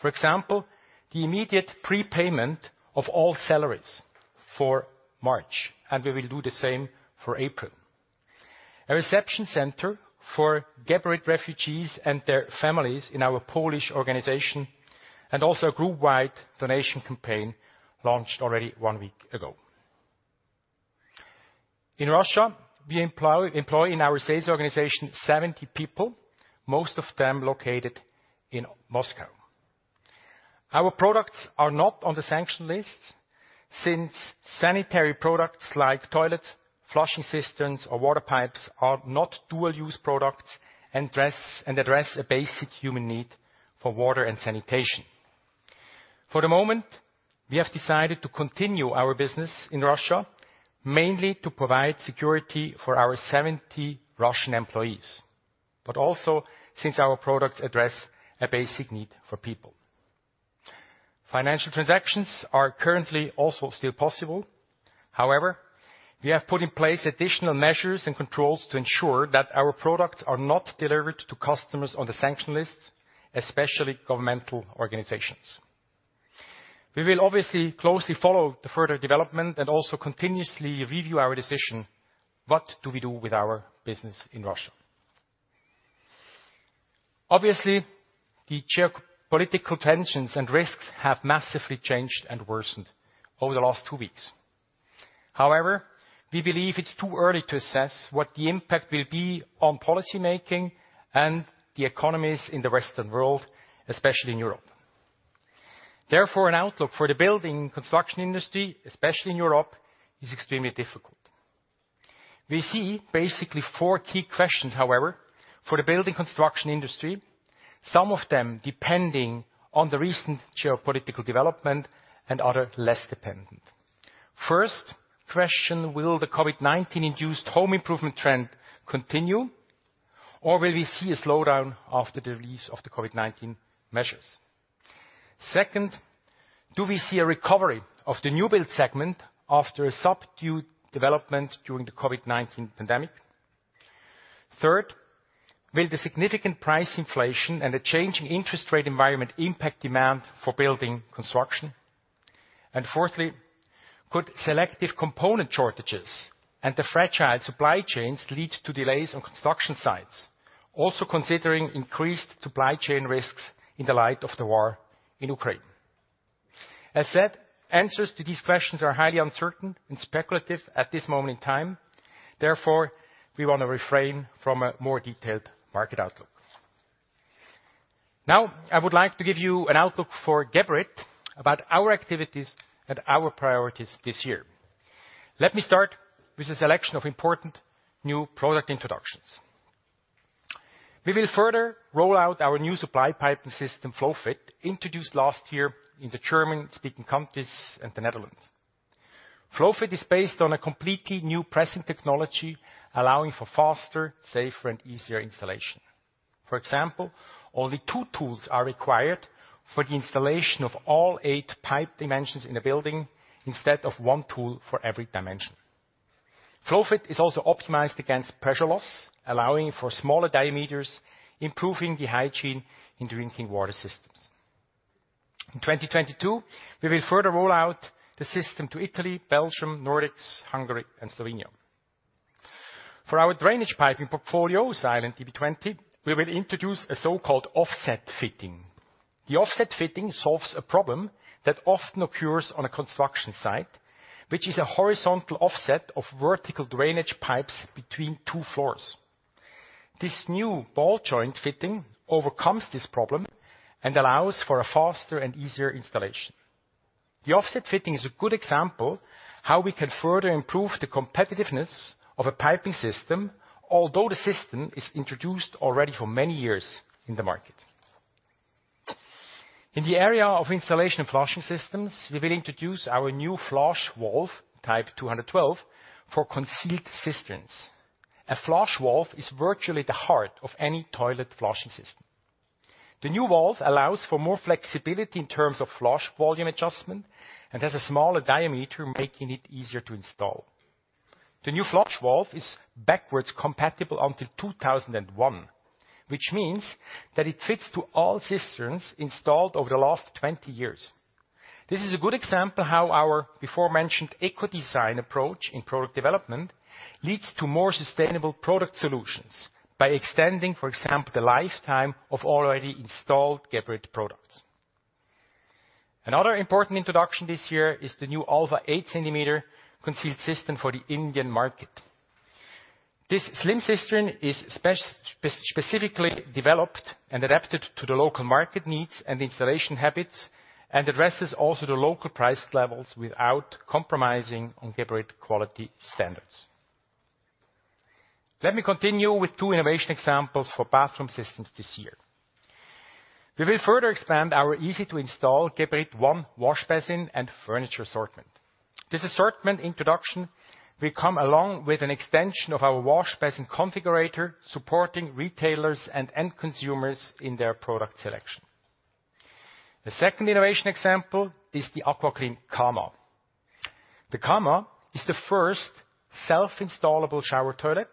For example, the immediate prepayment of all salaries for March, and we will do the same for April, a reception center for Geberit refugees and their families in our Polish organization, and also a group-wide donation campaign launched already one week ago. In Russia, we employ in our sales organization 70 people, most of them located in Moscow. Our products are not on the sanction list since sanitary products like toilets, flushing systems or water pipes are not dual-use products and address a basic human need for water and sanitation. For the moment, we have decided to continue our business in Russia, mainly to provide security for our 70 Russian employees, but also since our products address a basic need for people. Financial transactions are currently also still possible. However, we have put in place additional measures and controls to ensure that our products are not delivered to customers on the sanction list, especially governmental organizations. We will obviously closely follow the further development and also continuously review our decision, what do we do with our business in Russia? Obviously, the geopolitical tensions and risks have massively changed and worsened over the last two weeks. However, we believe it's too early to assess what the impact will be on policy-making and the economies in the Western world, especially in Europe. Therefore, an outlook for the building construction industry, especially in Europe, is extremely difficult. We see basically four key questions, however, for the building construction industry, some of them depending on the recent geopolitical development and other less dependent. First question, will the COVID-19-induced home improvement trend continue, or will we see a slowdown after the release of the COVID-19 measures? Second, do we see a recovery of the new build segment after a subdued development during the COVID-19 pandemic? Third, will the significant price inflation and the changing interest rate environment impact demand for building construction? Fourthly, could selective component shortages and the fragile supply chains lead to delays on construction sites, also considering increased supply chain risks in the light of the war in Ukraine? As said, answers to these questions are highly uncertain and speculative at this moment in time. Therefore, we want to refrain from a more detailed market outlook. Now, I would like to give you an outlook for Geberit about our activities and our priorities this year. Let me start with a selection of important new product introductions. We will further roll out our new supply piping system, FlowFit, introduced last year in the German-speaking countries and the Netherlands. FlowFit is based on a completely new pressing technology, allowing for faster, safer, and easier installation. For example, only two tools are required for the installation of all eight pipe dimensions in a building instead of one tool for every dimension. FlowFit is also optimized against pressure loss, allowing for smaller diameters, improving the hygiene in drinking water systems. In 2022, we will further roll out the system to Italy, Belgium, Nordics, Hungary, and Slovenia. For our drainage piping portfolio, Silent-db20, we will introduce a so-called offset fitting. The offset fitting solves a problem that often occurs on a construction site, which is a horizontal offset of vertical drainage pipes between two floors. This new ball joint fitting overcomes this problem and allows for a faster and easier installation. The offset fitting is a good example how we can further improve the competitiveness of a piping system, although the system is introduced already for many years in the market. In the area of installation and flushing systems, we will introduce our new flush valve Type 212 for concealed systems. A flush valve is virtually the heart of any toilet flushing system. The new valve allows for more flexibility in terms of flush volume adjustment and has a smaller diameter, making it easier to install. The new flush valve is backwards compatible until 2001, which means that it fits to all cisterns installed over the last 20 years. This is a good example how our before-mentioned eco-design approach in product development leads to more sustainable product solutions by extending, for example, the lifetime of already installed Geberit products. Another important introduction this year is the new Alpha 8 cm concealed cistern for the Indian market. This slim cistern is specifically developed and adapted to the local market needs and installation habits, and addresses also the local price levels without compromising on Geberit quality standards. Let me continue with two innovation examples for bathroom systems this year. We will further expand our easy-to-install Geberit ONE washbasin and furniture assortment. This assortment introduction will come along with an extension of our washbasin configurator, supporting retailers and end consumers in their product selection. The second innovation example is the AquaClean Cama. The Kama is the first self-installable shower toilet.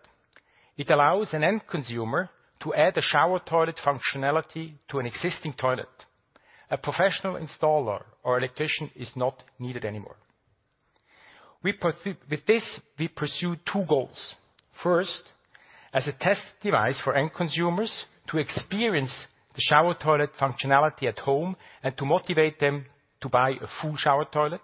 It allows an end consumer to add a shower toilet functionality to an existing toilet. A professional installer or electrician is not needed anymore. With this, we pursue two goals. First, as a test device for end consumers to experience the shower toilet functionality at home and to motivate them to buy a full shower toilet.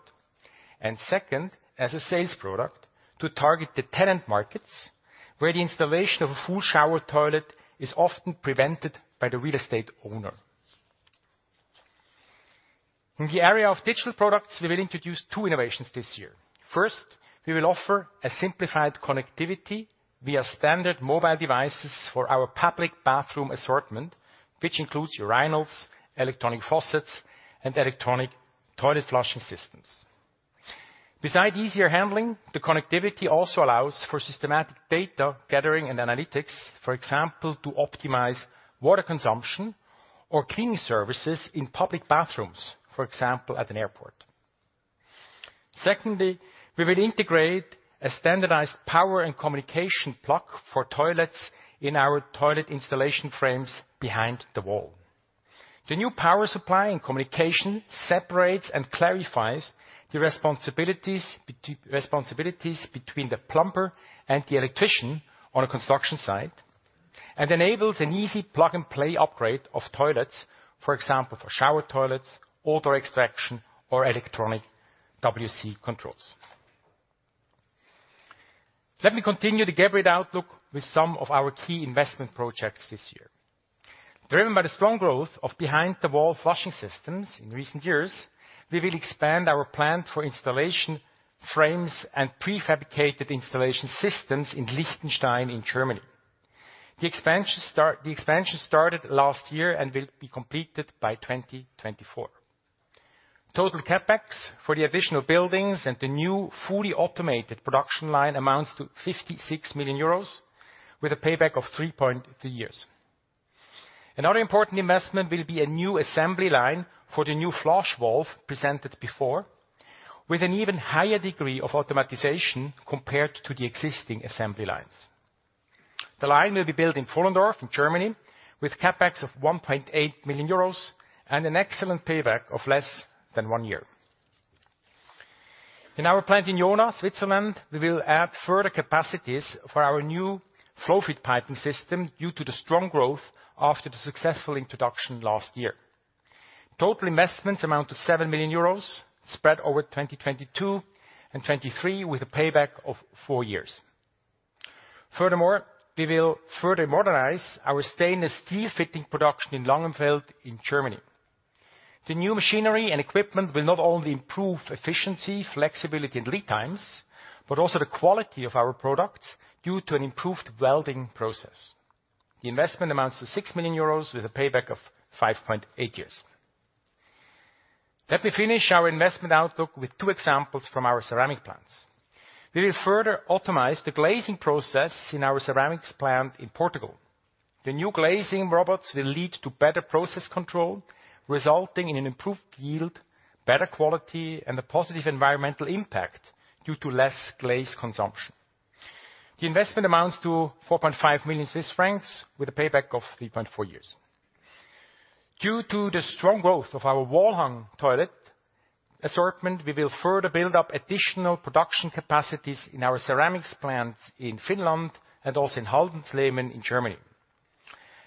Second, as a sales product to target the tenant markets where the installation of a full shower toilet is often prevented by the real estate owner. In the area of digital products, we will introduce two innovations this year. First, we will offer a simplified connectivity via standard mobile devices for our public bathroom assortment, which includes urinals, electronic faucets, and electronic toilet flushing systems. Besides easier handling, the connectivity also allows for systematic data gathering and analytics, for example, to optimize water consumption or cleaning services in public bathrooms, for example, at an airport. Secondly, we will integrate a standardized power and communication plug for toilets in our toilet installation frames behind the wall. The new power supply and communication separates and clarifies the responsibilities between the plumber and the electrician on a construction site, and enables an easy plug-and-play upgrade of toilets, for example, for shower toilets, odor extraction or electronic WC controls. Let me continue the Geberit outlook with some of our key investment projects this year. Driven by the strong growth of behind the wall flushing systems in recent years, we will expand our plant for installation frames and prefabricated installation systems in Lichtenstein in Germany. The expansion started last year and will be completed by 2024. Total CapEx for the additional buildings and the new fully automated production line amounts to 56 million euros, with a payback of 3.3 years. Another important investment will be a new assembly line for the new flush valve presented before, with an even higher degree of automation compared to the existing assembly lines. The line will be built in Pfullendorf in Germany with CapEx of 1.8 million euros and an excellent payback of less than one year. In our plant in Jona, Switzerland, we will add further capacities for our new FlowFit piping system due to the strong growth after the successful introduction last year. Total investments amount to 7 million euros spread over 2022 and 2023, with a payback of four years. Furthermore, we will further modernize our stainless steel fitting production in Langenfeld in Germany. The new machinery and equipment will not only improve efficiency, flexibility, and lead times, but also the quality of our products due to an improved welding process. The investment amounts to 6 million euros with a payback of 5.8 years. Let me finish our investment outlook with two examples from our ceramic plants. We will further optimize the glazing process in our ceramics plant in Portugal. The new glazing robots will lead to better process control, resulting in an improved yield, better quality, and a positive environmental impact due to less glaze consumption. The investment amounts to 4.5 million Swiss francs with a payback of 3.4 years. Due to the strong growth of our wall-hung toilet assortment, we will further build up additional production capacities in our ceramics plant in Finland and also in Haldensleben in Germany.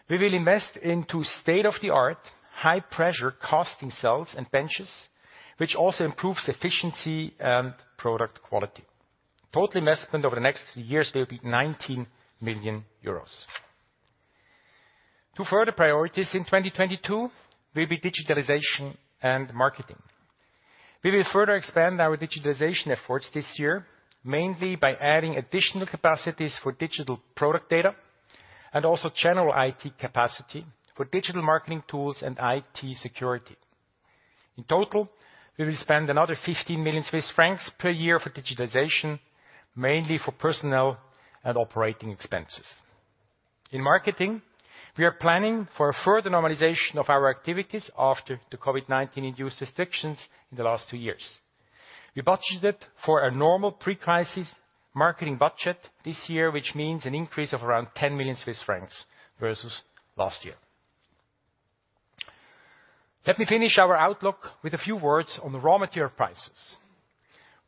We will invest into state-of-the-art high pressure casting cells and benches, which also improves efficiency and product quality. Total investment over the next three years will be 19 million euros. Two further priorities in 2022 will be digitalization and marketing. We will further expand our digitalization efforts this year, mainly by adding additional capacities for digital product data and also general IT capacity for digital marketing tools and IT security. In total, we will spend another 15 million Swiss francs per year for digitization, mainly for personnel and operating expenses. In marketing, we are planning for a further normalization of our activities after the COVID-19-induced restrictions in the last two years. We budgeted for a normal pre-crisis marketing budget this year, which means an increase of around 10 million Swiss francs versus last year. Let me finish our outlook with a few words on the raw material prices.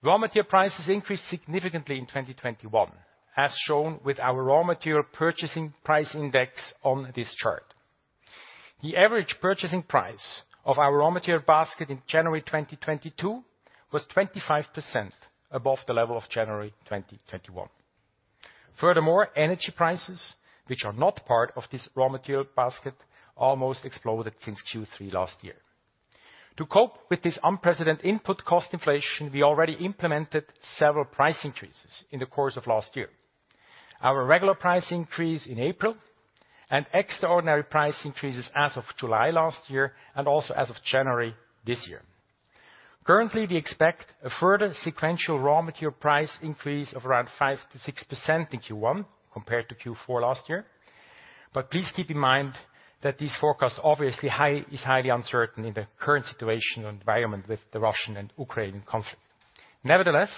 Raw material prices increased significantly in 2021, as shown with our raw material purchasing price index on this chart. The average purchasing price of our raw material basket in January 2022 was 25% above the level of January 2021. Furthermore, energy prices, which are not part of this raw material basket, almost exploded since Q3 last year. To cope with this unprecedented input cost inflation, we already implemented several price increases in the course of last year. Our regular price increase in April and extraordinary price increases as of July last year and also as of January this year. Currently, we expect a further sequential raw material price increase of around 5%-6% in Q1 compared to Q4 last year. Please keep in mind that this forecast is highly uncertain in the current situation and environment with the Russian and Ukrainian conflict. Nevertheless,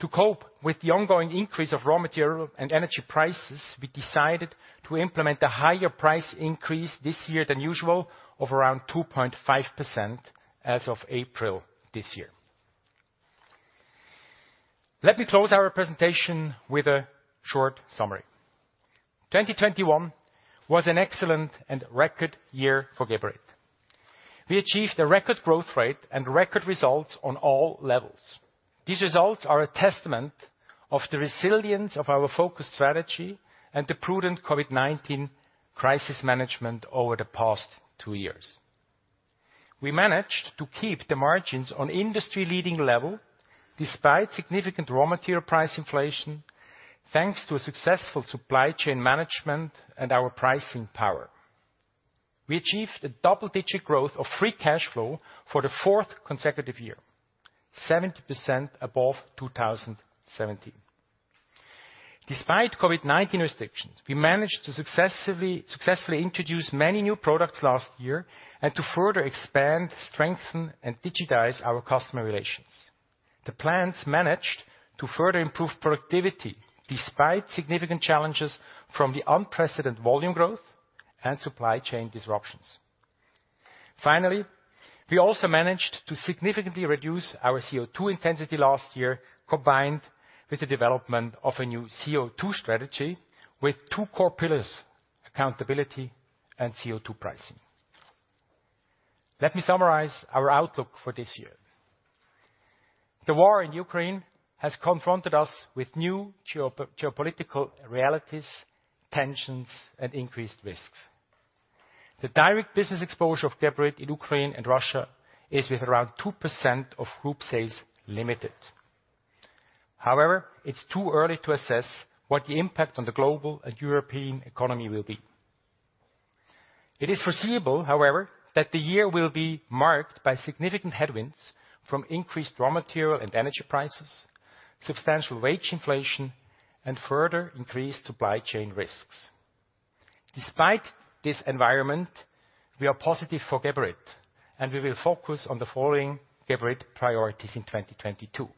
to cope with the ongoing increase of raw material and energy prices, we decided to implement a higher price increase this year than usual of around 2.5% as of April this year. Let me close our presentation with a short summary. 2021 was an excellent and record year for Geberit. We achieved a record growth rate and record results on all levels. These results are a testament of the resilience of our focus strategy and the prudent COVID-19 crisis management over the past two years. We managed to keep the margins on industry-leading level despite significant raw material price inflation, thanks to a successful supply chain management and our pricing power. We achieved a double-digit growth of free cash flow for the fourth consecutive year, 70% above 2017. Despite COVID-19 restrictions, we managed to successfully introduce many new products last year and to further expand, strengthen, and digitize our customer relations. The plants managed to further improve productivity despite significant challenges from the unprecedented volume growth and supply chain disruptions. Finally, we also managed to significantly reduce our CO2 intensity last year, combined with the development of a new CO2 strategy with two core pillars, accountability and CO2 pricing. Let me summarize our outlook for this year. The war in Ukraine has confronted us with new geopolitical realities, tensions, and increased risks. The direct business exposure of Geberit in Ukraine and Russia is limited with around 2% of group sales. However, it's too early to assess what the impact on the global and European economy will be. It is foreseeable, however, that the year will be marked by significant headwinds from increased raw material and energy prices, substantial wage inflation, and further increased supply chain risks. Despite this environment, we are positive for Geberit, and we will focus on the following Geberit priorities in 2022.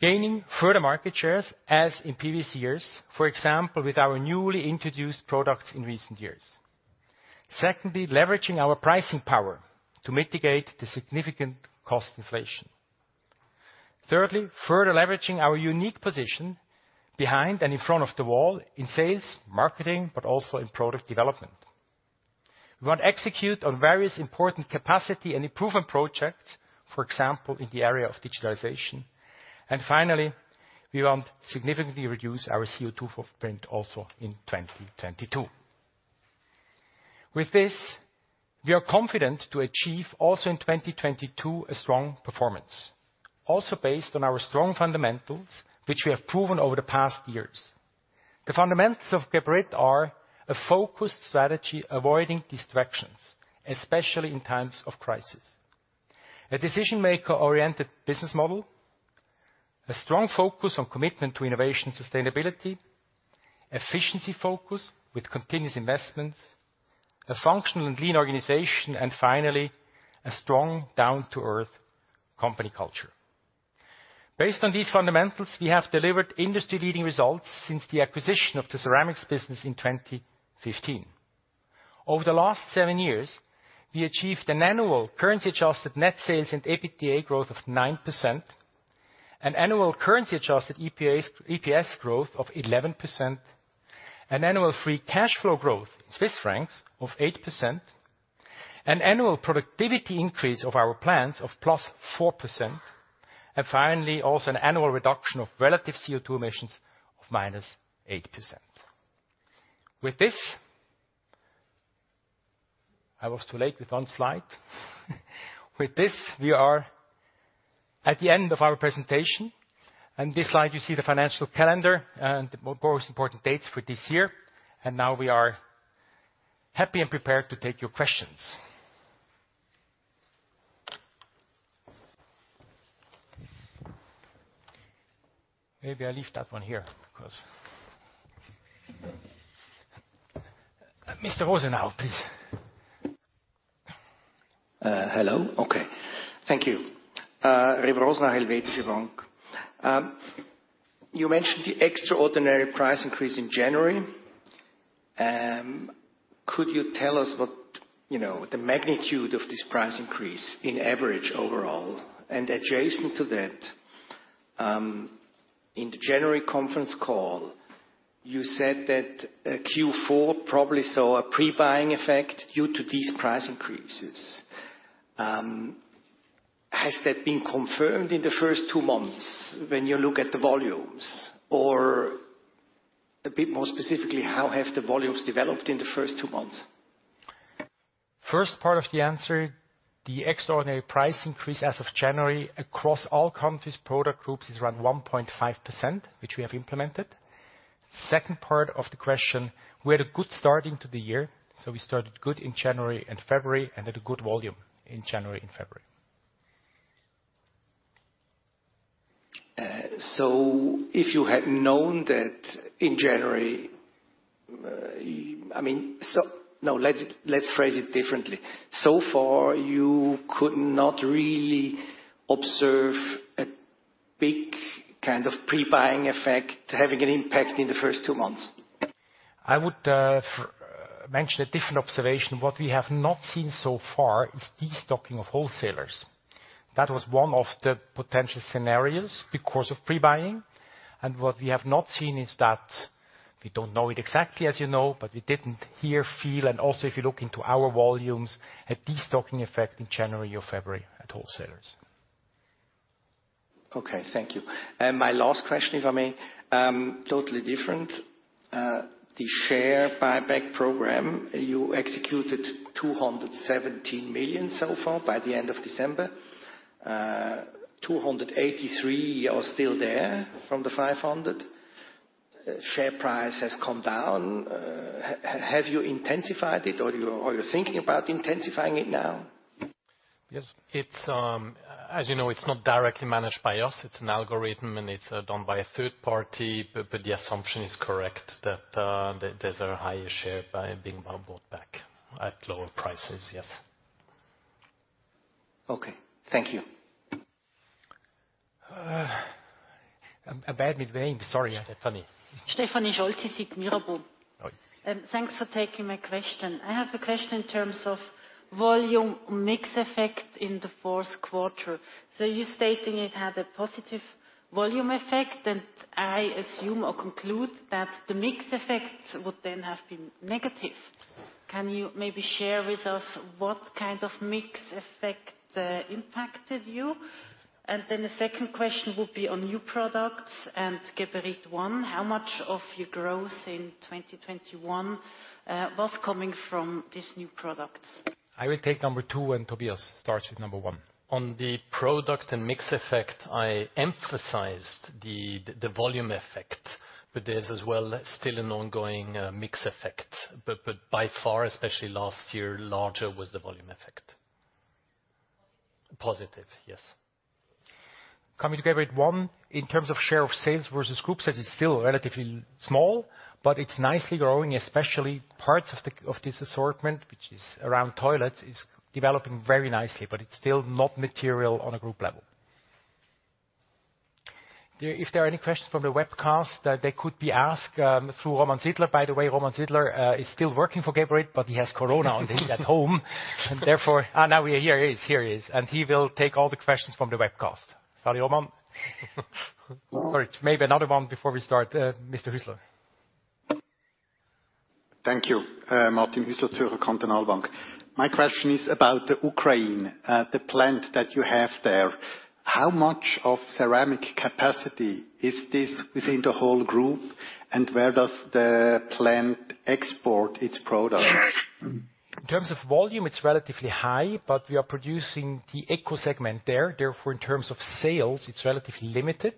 Gaining further market shares, as in previous years, for example, with our newly introduced products in recent years. Secondly, leveraging our pricing power to mitigate the significant cost inflation. Thirdly, further leveraging our unique position behind and in front of the wall in sales, marketing, but also in product development. We want to execute on various important capacity and improvement projects, for example, in the area of digitalization. Finally, we want to significantly reduce our CO2 footprint also in 2022. With this, we are confident to achieve also in 2022 a strong performance, also based on our strong fundamentals, which we have proven over the past years. The fundamentals of Geberit are a focused strategy, avoiding distractions, especially in times of crisis, a decision-maker-oriented business model, a strong focus on commitment to innovation and sustainability, efficiency focus with continuous investments, a functional and lean organization, and finally, a strong down-to-earth company culture. Based on these fundamentals, we have delivered industry-leading results since the acquisition of the ceramics business in 2015. Over the last seven years, we achieved an annual currency-adjusted net sales and EBITDA growth of 9%, an annual currency-adjusted EPS growth of 11%, an annual free cash flow growth in CHF of 8%, an annual productivity increase of our plants of +4%, and finally, also an annual reduction of relative CO2 emissions of -8%. With this I was too late with one slide. With this, we are at the end of our presentation. On this slide, you see the financial calendar and the most important dates for this year. We are happy and prepared to take your questions. Maybe I leave that one here because Mr. Rosenau, please. Hello. Okay. Thank you. Remo Rosenau, Helvetische Bank. You mentioned the extraordinary price increase in January. Could you tell us what, you know, the magnitude of this price increase in average overall? Adjacent to that, in the January conference call, you said that Q4 probably saw a pre-buying effect due to these price increases. Has that been confirmed in the first two months when you look at the volumes? Or a bit more specifically, how have the volumes developed in the first two months? First part of the answer, the extraordinary price increase as of January across all countries, product groups is around 1.5%, which we have implemented. Second part of the question, we had a good start into the year, so we started good in January and February and had a good volume in January and February. Far, you could not really observe a big kind of pre-buying effect having an impact in the first two months. I would mention a different observation. What we have not seen so far is destocking of wholesalers. That was one of the potential scenarios because of pre-buying. What we have not seen is that we don't know it exactly, as you know, but we didn't hear, feel, and also if you look into our volumes, a destocking effect in January or February at wholesalers. Okay, thank you. My last question, if I may, totally different. The share buyback program, you executed 217 million so far by the end of December. 283 million are still there from the 500 million. Share price has come down. Have you intensified it or you're thinking about intensifying it now? Yes. It's, as you know, it's not directly managed by us. It's an algorithm, and it's done by a third party. But the assumption is correct that there's a higher share buy being bought back at lower prices, yes. Okay. Thank you. Bad midvane. Sorry, Stefanie. Stefanie Scholtysik, Mirabaud. Hi. Thanks for taking my question. I have a question in terms of volume mix effect in the Q4. You're stating it had a positive volume effect, and I assume or conclude that the mix effect would then have been negative. Can you maybe share with us what kind of mix effect impacted you? The second question would be on new products and Geberit ONE. How much of your growth in 2021 was coming from these new products? I will take number two, and Tobias starts with number one. On the product and mix effect, I emphasized the volume effect, but there's as well still an ongoing mix effect. By far, especially last year, larger was the volume effect. Positive. Positive, yes. Coming to Geberit ONE, in terms of share of sales versus group sales, it's still relatively small, but it's nicely growing, especially parts of this assortment, which is around toilets, is developing very nicely, but it's still not material on a group level. If there are any questions from the webcast, they could be asked through Roman Sidler. By the way, Roman Sidler is still working for Geberit, but he has corona and he's at home. Now here he is. He will take all the questions from the webcast. Sorry, Roman. All right. Maybe another one before we start. Mr. Hüsler. Thank you. Martin Hüsler, Zürcher Kantonalbank. My question is about Ukraine, the plant that you have there. How much of ceramic capacity is this within the whole group, and where does the plant export its products? In terms of volume, it's relatively high, but we are producing the eco segment there. Therefore, in terms of sales, it's relatively limited.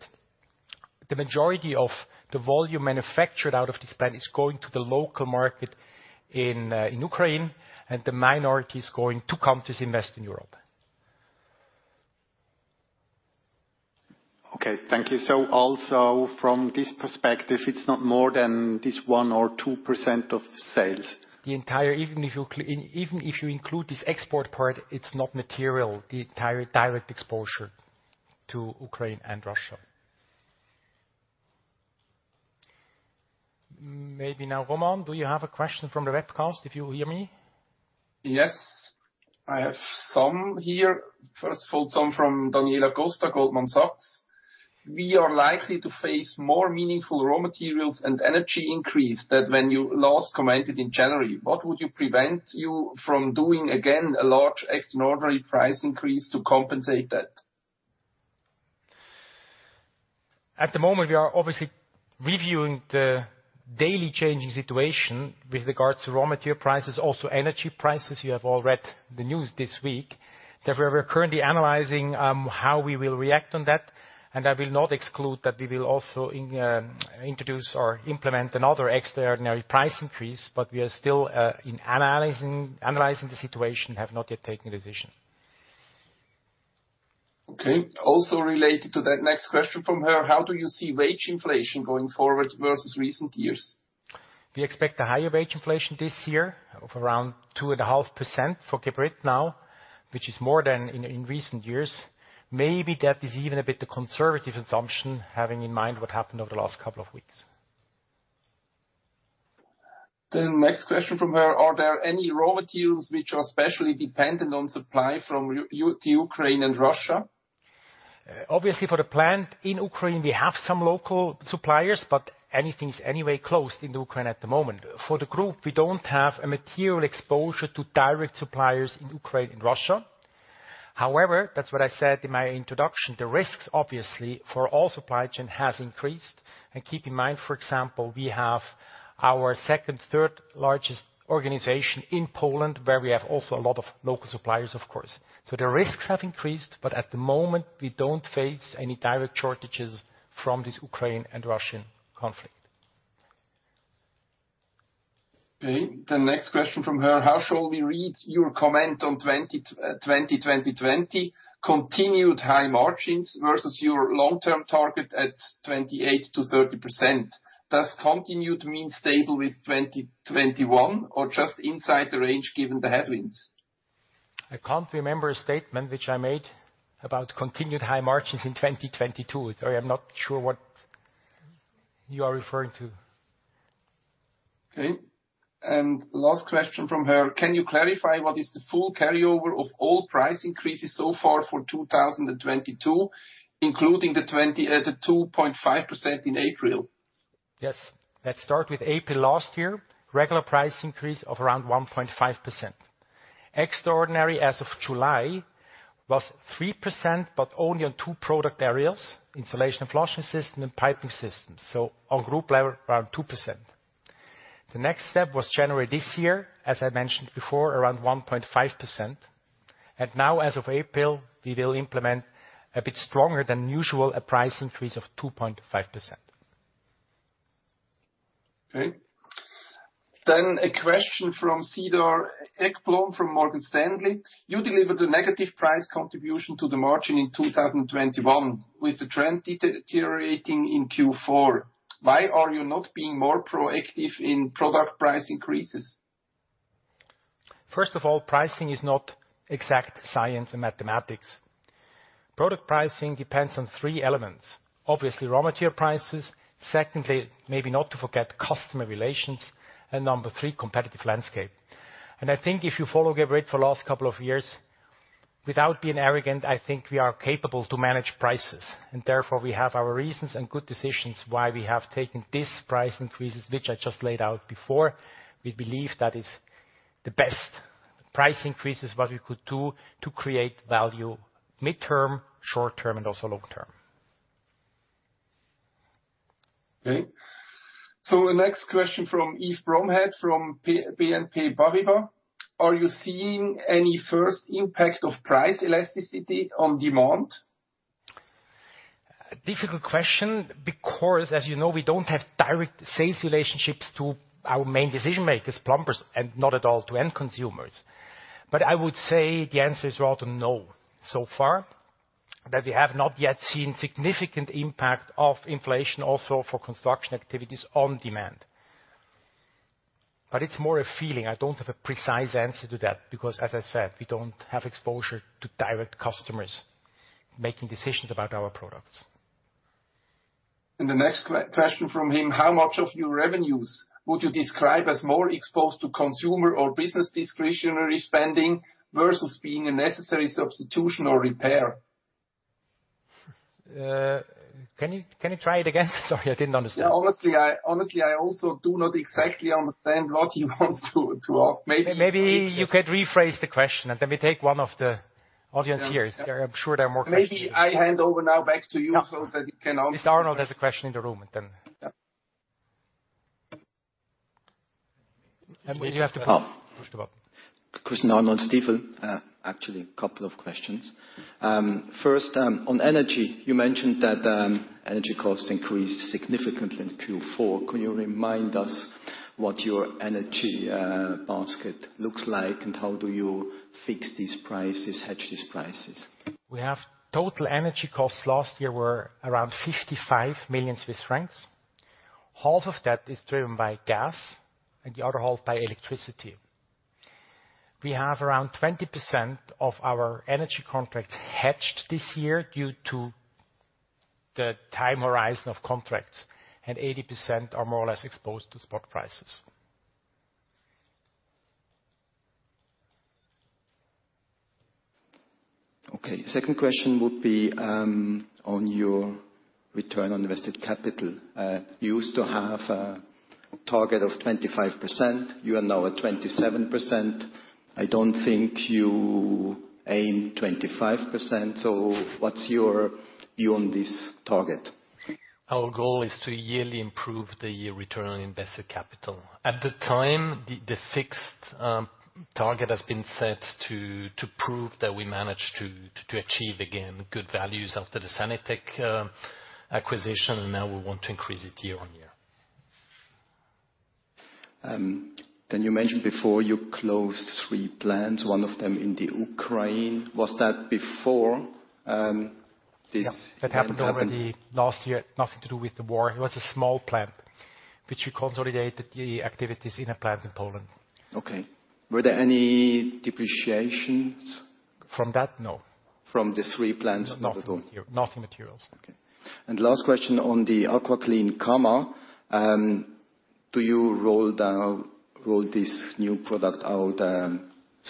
The majority of the volume manufactured out of this plant is going to the local market in in Ukraine, and the minority is going to countries in Eastern Europe. Okay, thank you. Also from this perspective, it's not more than this 1% or 2% of sales. The entire even if you include this export part, it's not material, the entire direct exposure to Ukraine and Russia. Maybe now, Roman, do you have a question from the webcast, if you hear me? Yes, I have some here. First of all, some from Daniela Costa, Goldman Sachs. We are likely to face more meaningful raw materials and energy increases than when you last commented in January. What would prevent you from doing a large, extraordinary price increase again to compensate for that? At the moment, we are obviously reviewing the daily changing situation with regards to raw material prices, also energy prices. You have all read the news this week that we are currently analyzing how we will react on that, and I will not exclude that we will also introduce or implement another extraordinary price increase, but we are still analyzing the situation and have not yet taken a decision. Okay. Also related to that, next question from her. How do you see wage inflation going forward versus recent years? We expect a higher wage inflation this year of around 2.5% for Geberit now, which is more than in recent years. Maybe that is even a bit conservative assumption, having in mind what happened over the last couple of weeks. The next question from her, are there any raw materials which are specifically dependent on supply from Ukraine and Russia? Obviously for the plant in Ukraine, we have some local suppliers, but anything is anyway closed in Ukraine at the moment. For the group, we don't have a material exposure to direct suppliers in Ukraine and Russia. However, that's what I said in my introduction. The risks, obviously, for all supply chain has increased. And keep in mind, for example, we have our second, third largest organization in Poland, where we have also a lot of local suppliers, of course. The risks have increased, but at the moment, we don't face any direct shortages from this Ukraine and Russian conflict. Okay. The next question from her, how shall we read your comment on 2020 continued high margins versus your long-term target at 28%-30%? Does continued mean stable with 2021 or just inside the range given the headwinds? I can't remember a statement which I made about continued high margins in 2022. Sorry, I'm not sure what you are referring to. Okay. Last question from her. Can you clarify what is the full carryover of all price increases so far for 2022, including the 2.5% in April? Yes. Let's start with April last year, regular price increase of around 1.5%. Extraordinary as of July was 3%, but only on two product areas, installation and flushing systems and piping systems. On group level, around 2%. The next step was January this year, as I mentioned before, around 1.5%. Now as of April, we will implement a bit stronger than usual a price increase of 2.5%. Okay. A question from Cedar Ekblom from Morgan Stanley. You delivered a negative price contribution to the margin in 2021, with the trend deteriorating in Q4. Why are you not being more proactive in product price increases? First of all, pricing is not exact science and mathematics. Product pricing depends on three elements. Obviously, raw material prices. Secondly, maybe not to forget customer relations. Number three, competitive landscape. I think if you follow Geberit for the last couple of years, without being arrogant, I think we are capable to manage prices, and therefore we have our reasons and good decisions why we have taken these price increases, which I just laid out before. We believe that is the best price increases what we could do to create value mid-term, short-term, and also long-term. Okay. The next question from Yves Rombaut from BNP Paribas. Are you seeing any first impact of price elasticity on demand? A difficult question because, as you know, we don't have direct sales relationships to our main decision makers, plumbers, and not at all to end consumers. I would say the answer is rather not so far that we have not yet seen significant impact of inflation also for construction activities on demand. It's more a feeling. I don't have a precise answer to that because as I said, we don't have exposure to direct customers making decisions about our products. The next question from him, how much of your revenues would you describe as more exposed to consumer or business discretionary spending versus being a necessary substitution or repair? Can you try it again? Sorry, I didn't understand. Yeah. Honestly, I also do not exactly understand what he wants to ask. Maybe- Maybe you could rephrase the question and then we take one of the audience here. I'm sure there are more questions. Maybe I hand over now back to you so that you can ask. Yes. Arnold has a question in the room, and then. Yeah. We have to push the button. Christian Arnold, Stifel. Actually, a couple of questions. First, on energy, you mentioned that energy costs increased significantly in Q4. Can you remind us what your energy basket looks like, and how do you fix these prices, hedge these prices? We have total energy costs last year were around 55 million Swiss francs. Half of that is driven by gas and the other half by electricity. We have around 20% of our energy contracts hedged this year due to the time horizon of contracts, and 80% are more or less exposed to spot prices. Okay. Second question would be on your return on invested capital. You used to have, Target of 25%. You are now at 27%. I don't think you aim 25%, so what's your view on this target? Our goal is to yearly improve the return on invested capital. At the time, the fixed target has been set to prove that we managed to achieve again good values after the Sanitec acquisition, and now we want to increase it year on year. You mentioned before you closed three plants, one of them in the Ukraine. Was that before this- Yeah Event happened? That happened already last year. Nothing to do with the war. It was a small plant which we consolidated the activities in a plant in Poland. Okay. Were there any depreciations? From that, no. From the three plants overall. No. Nothing material. Okay. Last question on the AquaClean Cama, do you roll this new product out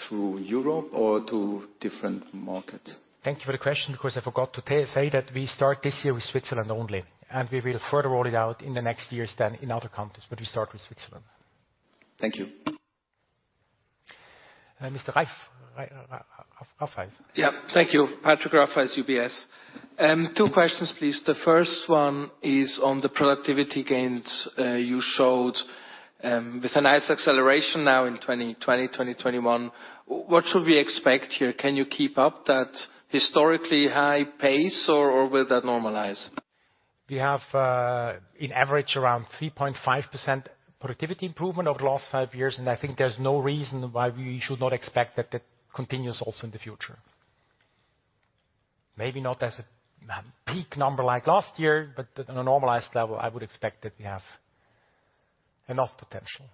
through Europe or to different markets? Thank you for the question 'cause I forgot to say that we start this year with Switzerland only, and we will further roll it out in the next years then in other countries. We start with Switzerland. Thank you. Mr. Rafaisz. Yeah. Thank you. Patrick Rafaisz, UBS. Two questions please. The first one is on the productivity gains you showed with a nice acceleration now in 2020, 2021. What should we expect here? Can you keep up that historically high pace, or will that normalize? We have on average around 3.5% productivity improvement over the last five years, and I think there's no reason why we should not expect that continues also in the future. Maybe not as a peak number like last year, but at a normalized level, I would expect that we have enough potential.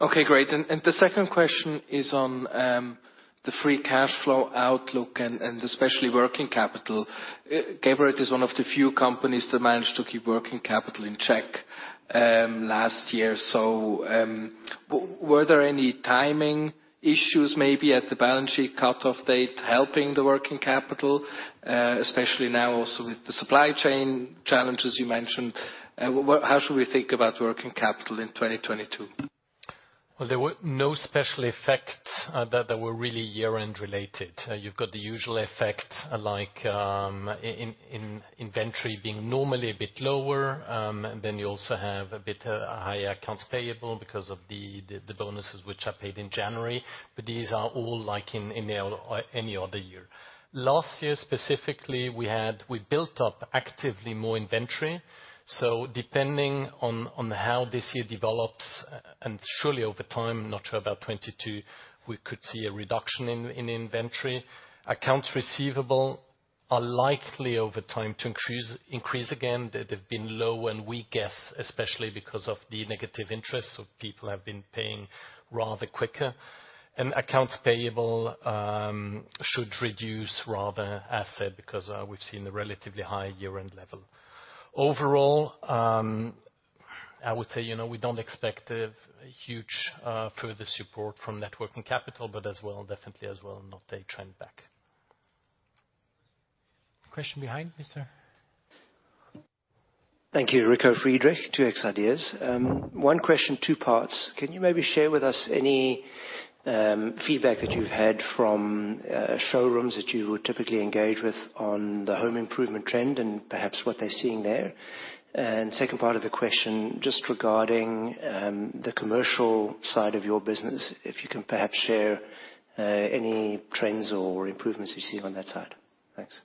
Okay. Great. The second question is on the free cash flow outlook and especially working capital. Geberit is one of the few companies that managed to keep working capital in check last year. Were there any timing issues maybe at the balance sheet cutoff date helping the working capital, especially now also with the supply chain challenges you mentioned? How should we think about working capital in 2022? Well, there were no special effects that were really year-end related. You've got the usual effect, like, in inventory being normally a bit lower. Then you also have a bit higher accounts payable because of the bonuses which are paid in January, but these are all like in any other year. Last year, specifically, we built up actively more inventory, so depending on how this year develops, and surely over time, not sure about 2022, we could see a reduction in inventory. Accounts receivable are likely over time to increase again. They have been low and we guess especially because of the negative interest, so people have been paying rather quicker. Accounts payable should reduce rather fast because we've seen a relatively high year-end level. Overall, I would say, you know, we don't expect a huge further support from net working capital, but as well, definitely as well not a trend back. Question behind, mister. Thank you. Rico Friedrich, 2X Ideas. One question, two parts. Can you maybe share with us any feedback that you've had from showrooms that you typically engage with on the home improvement trend and perhaps what they're seeing there? Second part of the question, just regarding the commercial side of your business, if you can perhaps share any trends or improvements you see on that side. Thanks.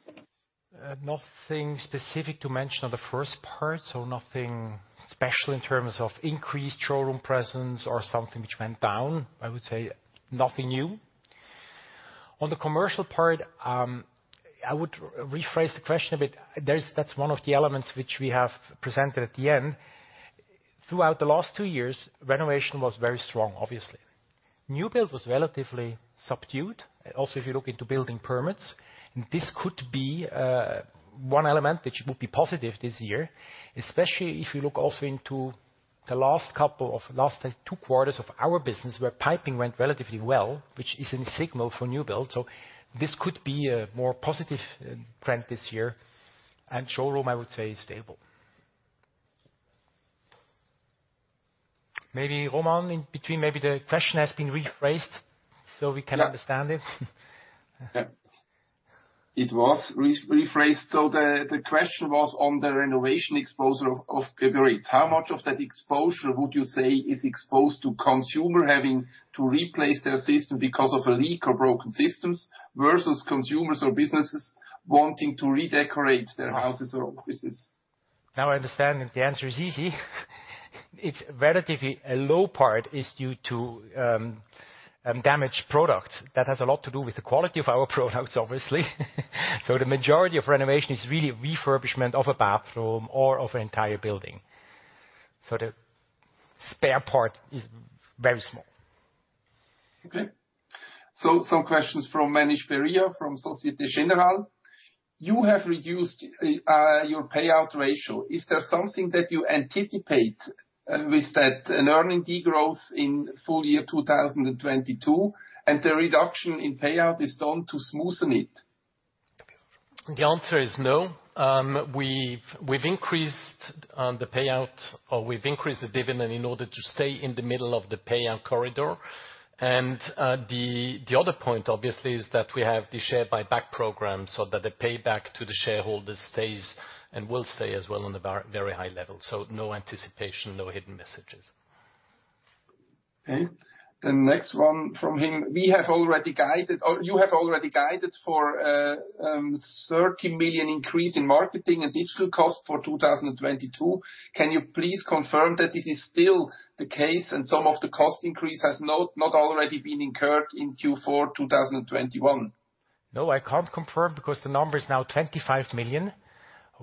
Nothing specific to mention on the first part, so nothing special in terms of increased showroom presence or something which went down. I would say nothing new. On the commercial part, I would rephrase the question a bit. That's one of the elements which we have presented at the end. Throughout the last two years, renovation was very strong, obviously. New build was relatively subdued, also if you look into building permits. This could be one element which would be positive this year, especially if you look also into the last two quarters of our business where piping went relatively well, which is a signal for new build. This could be a more positive trend this year. Showroom, I would say, is stable. Maybe Roman in between, maybe the question has been rephrased so we can- Yeah. understand it. Yeah. It was rephrased. The question was on the renovation exposure of Geberit. How much of that exposure would you say is exposed to consumer having to replace their system because of a leak or broken systems versus consumers or businesses wanting to redecorate their houses or offices? Now I understand, and the answer is easy. It's relatively a low part is due to damaged products. That has a lot to do with the quality of our products, obviously. The majority of renovation is really refurbishment of a bathroom or of an entire building. The spare part is very small. Okay. Some questions from Manish Beria from Société Générale. You have reduced your payout ratio. Is there something that you anticipate with that in earnings degrowth in full year 2022, and the reduction in payout is done to smoothen it? The answer is no. We've increased the payout, or we've increased the dividend in order to stay in the middle of the payout corridor. The other point obviously is that we have the share buyback program so that the payback to the shareholders stays and will stay as well on the very high level. No anticipation, no hidden messages. The next one from him. We have already guided or you have already guided for 30 million increase in marketing and digital cost for 2022. Can you please confirm that it is still the case and some of the cost increase has not already been incurred in Q4 2021? No, I can't confirm because the number is now 25 million.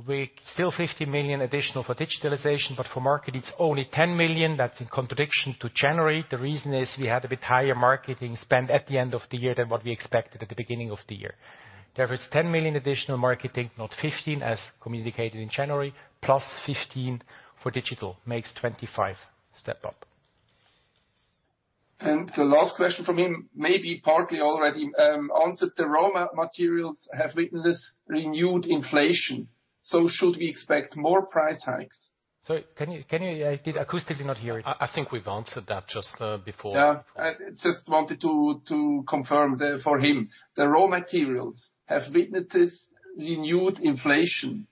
We still 50 million additional for digitalization, but for marketing it's only 10 million. That's in contradiction to January. The reason is we had a bit higher marketing spend at the end of the year than what we expected at the beginning of the year. Therefore, it's 10 million additional marketing, not 15, as communicated in January, plus 15 for digital, makes 25 steps up. The last question from him, maybe partly already answered. The raw materials have witnessed renewed inflation, so should we expect more price hikes? Sorry, can you? I did acoustically not hear it. I think we've answered that just before. I just wanted to confirm for him. The raw materials have witnessed renewed inflation,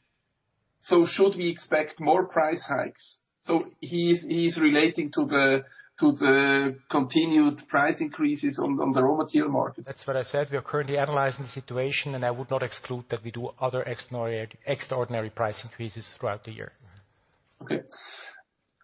so should we expect more price hikes? He's relating to the continued price increases on the raw material market. That's what I said. We are currently analyzing the situation, and I would not exclude that we do other extraordinary price increases throughout the year. Okay.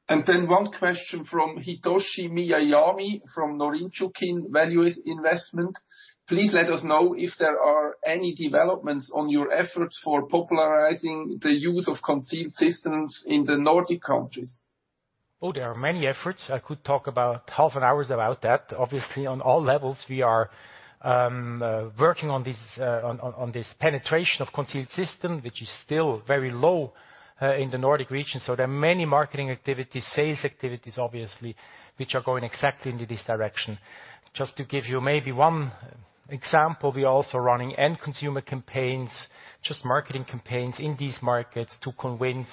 One question from Hitoshi Miyajima from Norinchukin Value Investments. Please let us know if there are any developments on your efforts for popularizing the use of concealed systems in the Nordic countries. Oh, there are many efforts. I could talk about half an hour about that. Obviously, on all levels we are working on this penetration of concealed system, which is still very low in the Nordic region. There are many marketing activities, sales activities, obviously, which are going exactly into this direction. Just to give you maybe one example, we are also running end consumer campaigns, just marketing campaigns in these markets to convince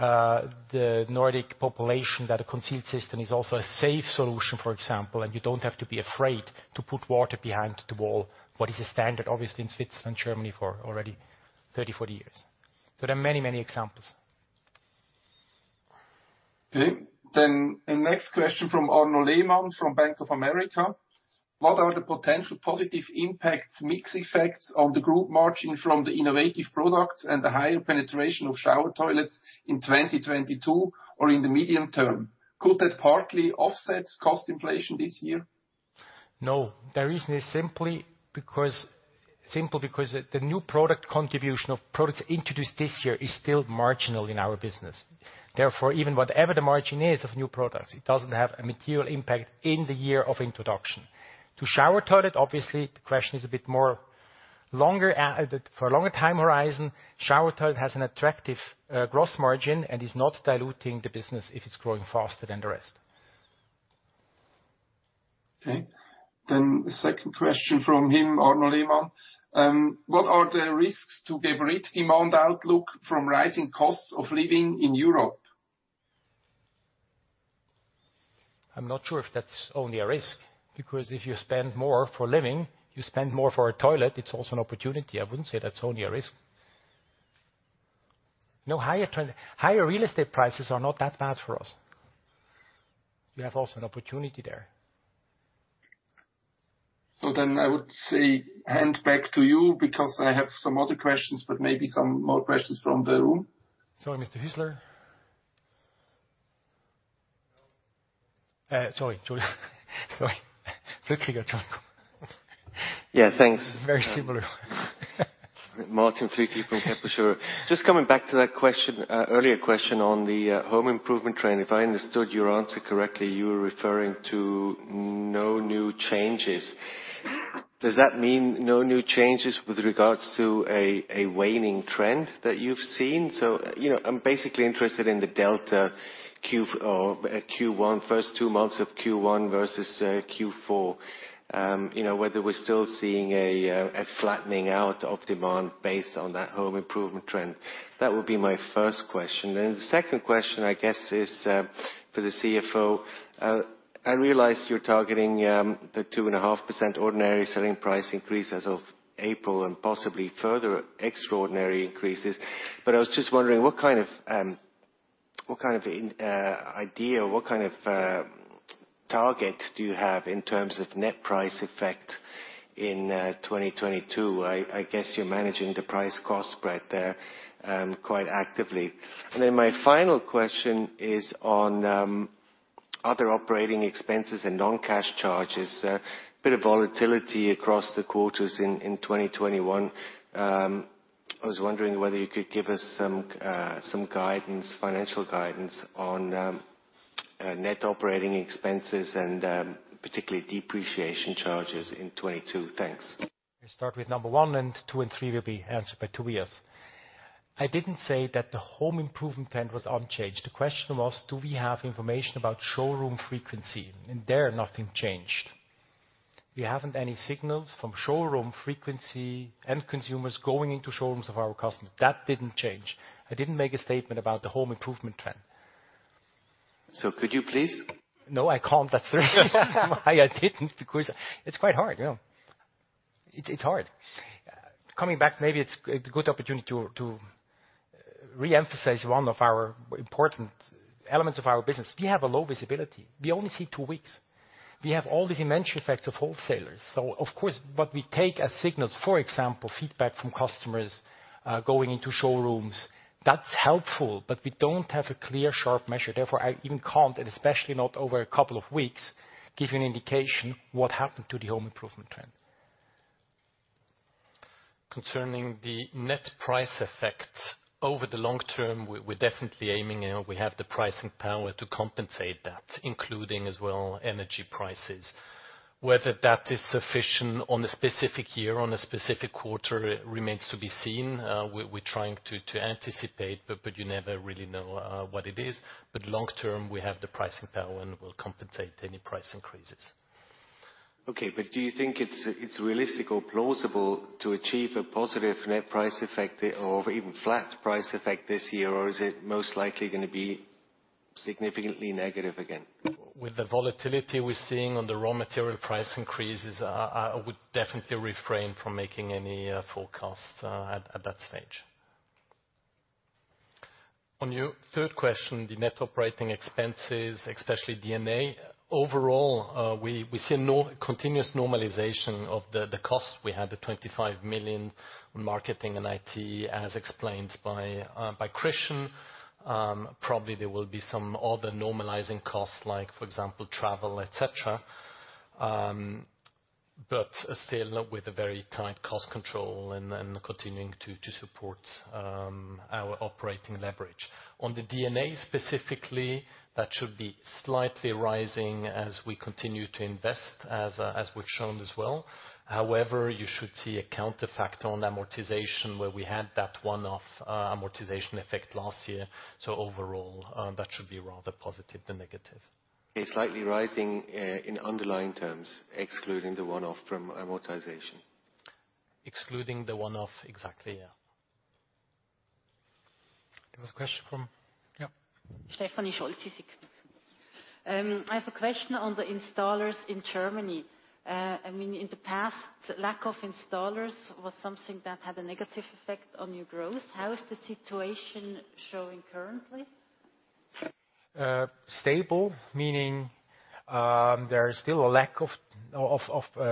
the Nordic population that a concealed system is also a safe solution, for example, and you don't have to be afraid to put water behind the wall, which is a standard, obviously, in Switzerland, Germany for already 30, 40 years. There are many, many examples. Okay. The next question from Arnaud Lehmann from Bank of America. What are the potential positive impacts, mix effects on the group margin from the innovative products and the higher penetration of shower toilets in 2022 or in the medium term? Could that partly offset cost inflation this year? No. The reason is simply because the new product contribution of products introduced this year is still marginal in our business. Therefore, even whatever the margin is of new products, it doesn't have a material impact in the year of introduction. To shower toilet, obviously, the question is a bit more longer for a longer time horizon. Shower toilet has an attractive gross margin and is not diluting the business if it's growing faster than the rest. Okay. The second question from him, Arnaud Lehmann. What are the risks to Geberit demand outlook from rising costs of living in Europe? I'm not sure if that's only a risk, because if you spend more for living, you spend more for a toilet, it's also an opportunity. I wouldn't say that's only a risk. Higher real estate prices are not that bad for us. We have also an opportunity there. I would say hand back to you because I have some other questions, but maybe some more questions from the room. Sorry, Mr. Hüsler. Sorry. Martin Flückiger. Yeah, thanks. Very similar. Martin Flückiger from Kepler Cheuvreux. Just coming back to that question, earlier question on the home improvement trend. If I understood your answer correctly, you were referring to no new changes. Does that mean no new changes with regards to a waning trend that you've seen? You know, I'm basically interested in the delta Q1, first two months of Q1 versus Q4. You know, whether we're still seeing a flattening out of demand based on that home improvement trend. That would be my first question. The second question, I guess, is for the CFO. I realize you're targeting the 2.5% ordinary selling price increase as of April and possibly further extraordinary increases, but I was just wondering what kind of target do you have in terms of net price effect in 2022? I guess you're managing the price cost spread there quite actively. Then my final question is on other operating expenses and non-cash charges. A bit of volatility across the quarters in 2021. I was wondering whether you could give us some financial guidance on net operating expenses and particularly depreciation charges in 2022. Thanks. I start with number one, and two and three will be answered by Tobias. I didn't say that the home improvement trend was unchanged. The question was, do we have information about showroom frequency? There, nothing changed. We haven't any signals from showroom frequency and consumers going into showrooms of our customers. That didn't change. I didn't make a statement about the home improvement trend. Could you please? No, I can't. That's the reason why I didn't, because it's quite hard. You know, it's hard. Coming back, maybe it's a good opportunity to re-emphasize one of our important elements of our business. We have a low visibility. We only see two weeks. We have all these inventory effects of wholesalers. So of course, what we take as signals, for example, feedback from customers, going into showrooms, that's helpful, but we don't have a clear sharp measure. Therefore, I even can't, and especially not over a couple of weeks, give you an indication what happened to the home improvement trend. Concerning the net price effect, over the long term, we're definitely aiming, and we have the pricing power to compensate that, including as well energy prices. Whether that is sufficient on a specific year, on a specific quarter, remains to be seen. We're trying to anticipate, but you never really know what it is. Long term, we have the pricing power and will compensate any price increases. Okay, do you think it's realistic or plausible to achieve a positive net price effect or even flat price effect this year, or is it most likely gonna be significantly negative again? With the volatility we're seeing on the raw material price increases, I would definitely refrain from making any forecasts at that stage. On your third question, the net operating expenses, especially D&A. Overall, we see continuous normalization of the costs. We had the 25 million in marketing and IT, as explained by Christian. Probably there will be some other normalizing costs, like, for example, travel, et cetera. Still with a very tight cost control and continuing to support our operating leverage. On the D&A specifically, that should be slightly rising as we continue to invest, as we've shown as well. However, you should see a counter fact on amortization, where we had that one-off amortization effect last year. Overall, that should be rather positive than negative. Okay. Slightly rising in underlying terms, excluding the one-off from amortization. Excluding the one-off. Exactly, yeah. Yeah. Stefanie Scholtysik. I have a question on the installers in Germany. I mean, in the past, lack of installers was something that had a negative effect on your growth. How is the situation showing currently? Stable. Meaning, there is still a lack of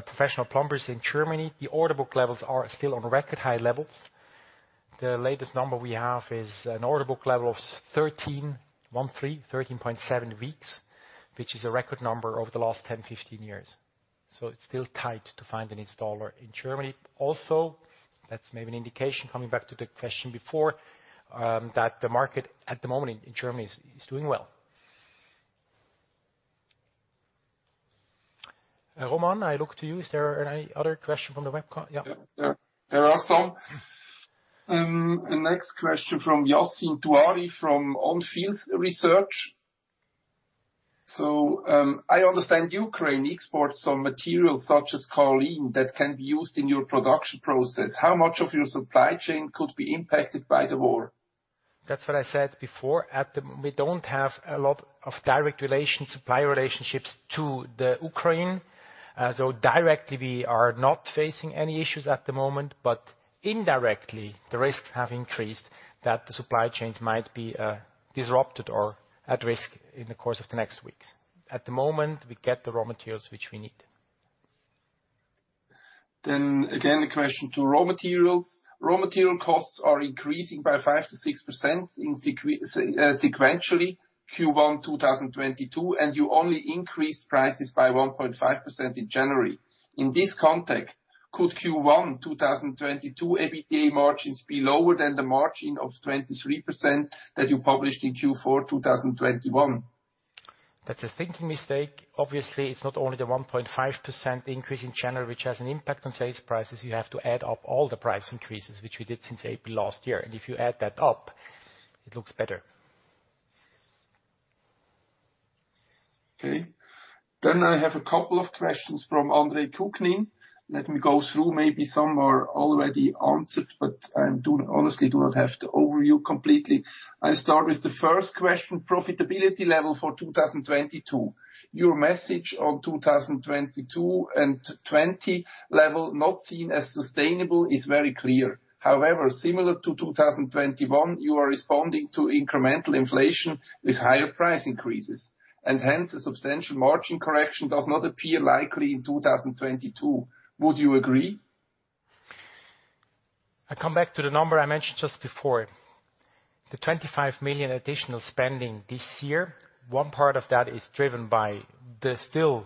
professional plumbers in Germany. The order book levels are still on record high levels. The latest number we have is an order book level of 13.7 weeks, which is a record number over the last 10-15 years. It's still tight to find an installer in Germany. Also, that's maybe an indication, coming back to the question before, that the market at the moment in Germany is doing well. Roman, I look to you. Is there any other question from the webcon? Yeah. Yeah. There are some. The next question from Yassine Touahri from On Field Investment Research. I understand Ukraine exports some materials, such as kaolin, that can be used in your production process. How much of your supply chain could be impacted by the war? That's what I said before. We don't have a lot of direct relations, supply relationships to the Ukraine. Directly we are not facing any issues at the moment, but indirectly, the risks have increased that the supply chains might be disrupted or at risk in the course of the next weeks. At the moment, we get the raw materials which we need. The question to raw materials. Raw material costs are increasing by 5%-6% sequentially Q1 2022, and you only increased prices by 1.5% in January. In this context, could Q1 2022 EBITDA margins be lower than the margin of 23% that you published in Q4 2021? That's a thinking mistake. Obviously, it's not only the 1.5% increase in January which has an impact on sales prices. You have to add up all the price increases, which we did since April last year. If you add that up, it looks better. Okay. I have a couple of questions from Andre Kukhnin. Let me go through. Maybe some are already answered, but I honestly do not have the overview completely. I start with the first question, profitability level for 2022. Your message on 2022 and 20 level not seen as sustainable is very clear. However, similar to 2021, you are responding to incremental inflation with higher price increases, and hence a substantial margin correction does not appear likely in 2022. Would you agree? I come back to the number I mentioned just before. The 25 million additional spending this year, one part of that is driven by the still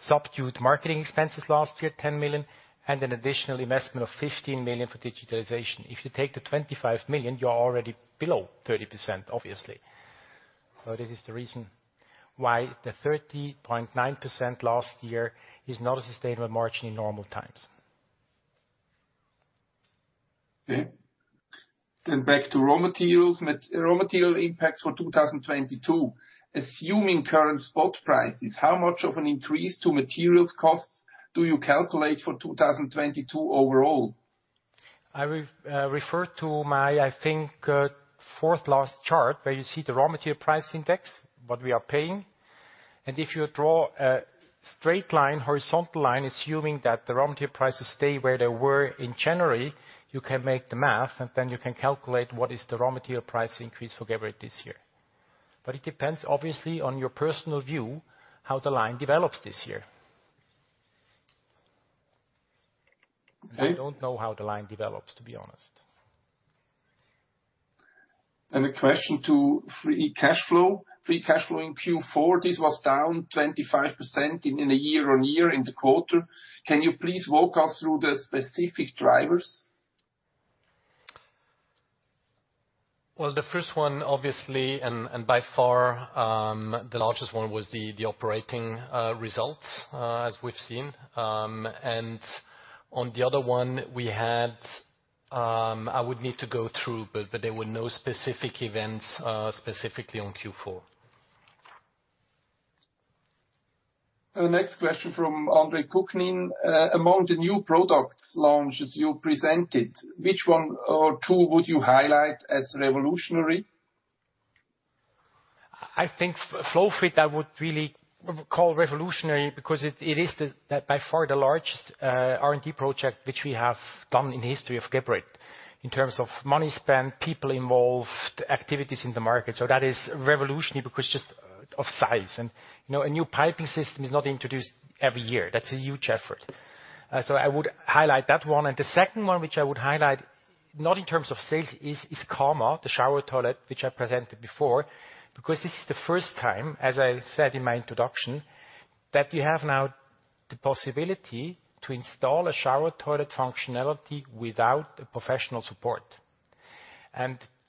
subdued marketing expenses last year, 10 million, and an additional investment of 15 million for digitalization. If you take the 25 million, you are already below 30%, obviously. This is the reason why the 30.9% last year is not a sustainable margin in normal times. Okay. Back to raw materials. Raw material impact for 2022. Assuming current spot prices, how much of an increase to materials costs do you calculate for 2022 overall? I will refer to my, I think, fourth last chart, where you see the raw material price index, what we are paying. If you draw a straight line, horizontal line, assuming that the raw material prices stay where they were in January, you can make the math, and then you can calculate what is the raw material price increase for Geberit this year. It depends, obviously, on your personal view, how the line develops this year. Okay. I don't know how the line develops, to be honest. A question on free cash flow. Free cash flow in Q4 was down 25% year-on-year in the quarter. Can you please walk us through the specific drivers? Well, the first one, obviously, and by far, the largest one was the operating results, as we've seen. On the other one we had, I would need to go through, but there were no specific events, specifically on Q4. Next question from Andre Kukhnin. Among the new products launches you presented, which one or two would you highlight as revolutionary? I think FlowFit I would really call revolutionary because it is by far the largest R&D project which we have done in the history of Geberit in terms of money spent, people involved, activities in the market. That is revolutionary because just of size. You know, a new piping system is not introduced every year. That's a huge effort. I would highlight that one. The second one which I would highlight, not in terms of sales, is Karma, the shower toilet which I presented before. Because this is the first time, as I said in my introduction, that you have now the possibility to install a shower toilet functionality without professional support.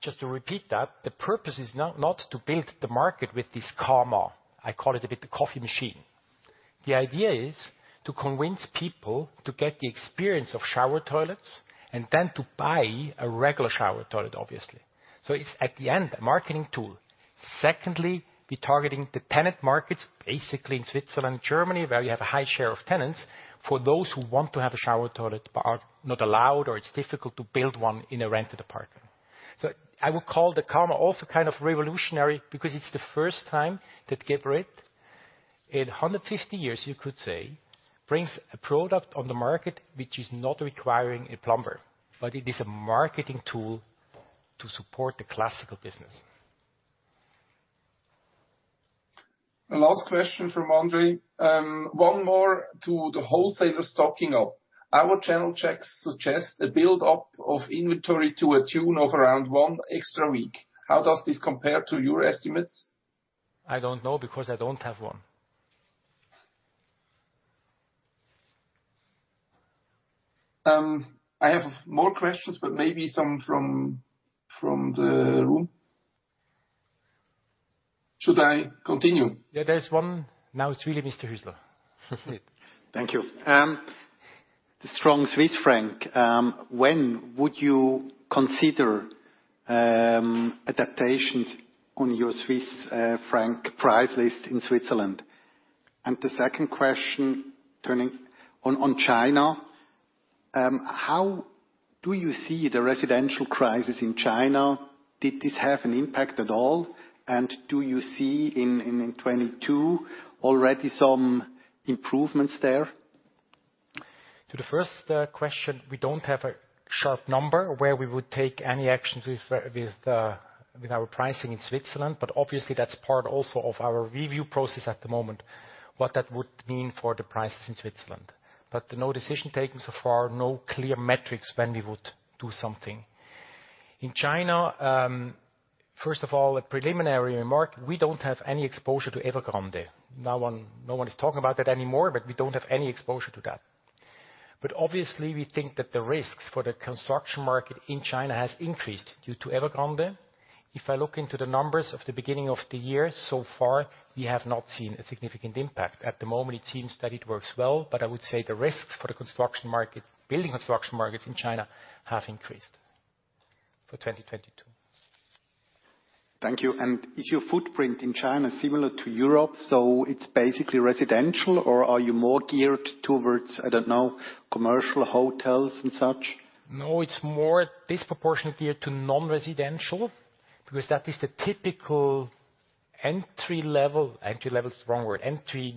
Just to repeat that, the purpose is not to build the market with this Karma. I call it a bit the coffee machine. The idea is to convince people to get the experience of shower toilets and then to buy a regular shower toilet, obviously. It's in the end, a marketing tool. Secondly, we are targeting the tenant markets, basically in Switzerland, Germany, where we have a high share of tenants, for those who want to have a shower toilet but are not allowed or it's difficult to build one in a rented apartment. I would call the Alba also kind of revolutionary because it's the first time that Geberit, in 150 years, you could say, brings a product on the market which is not requiring a plumber, but it is a marketing tool to support the classical business. The last question from Andre. One more to the wholesaler stocking up. Our channel checks suggest a build-up of inventory to a tune of around one extra week. How does this compare to your estimates? I don't know because I don't have one. I have more questions, but maybe some from the room. Should I continue? Yeah, there's one. Now it's really Mr. Hüsler. Thank you. The strong Swiss franc, when would you consider adaptations on your Swiss franc price list in Switzerland? The second question, turning to China, how do you see the residential crisis in China? Did this have an impact at all? Do you see in 2022 already some improvements there? To the first question, we don't have a sharp number where we would take any actions with our pricing in Switzerland, but obviously that's part also of our review process at the moment, what that would mean for the prices in Switzerland. No decision taken so far, no clear metrics when we would do something. In China, first of all, a preliminary remark. We don't have any exposure to Evergrande. No one is talking about that anymore, but we don't have any exposure to that. Obviously, we think that the risks for the construction market in China has increased due to Evergrande. If I look into the numbers of the beginning of the year, so far, we have not seen a significant impact. At the moment, it seems that it works well, but I would say the risks for the construction market, building construction markets in China have increased for 2022. Thank you. Is your footprint in China similar to Europe? It's basically residential, or are you more geared towards, I don't know, commercial hotels and such? No, it's more disproportionately to non-residential because that is the typical entry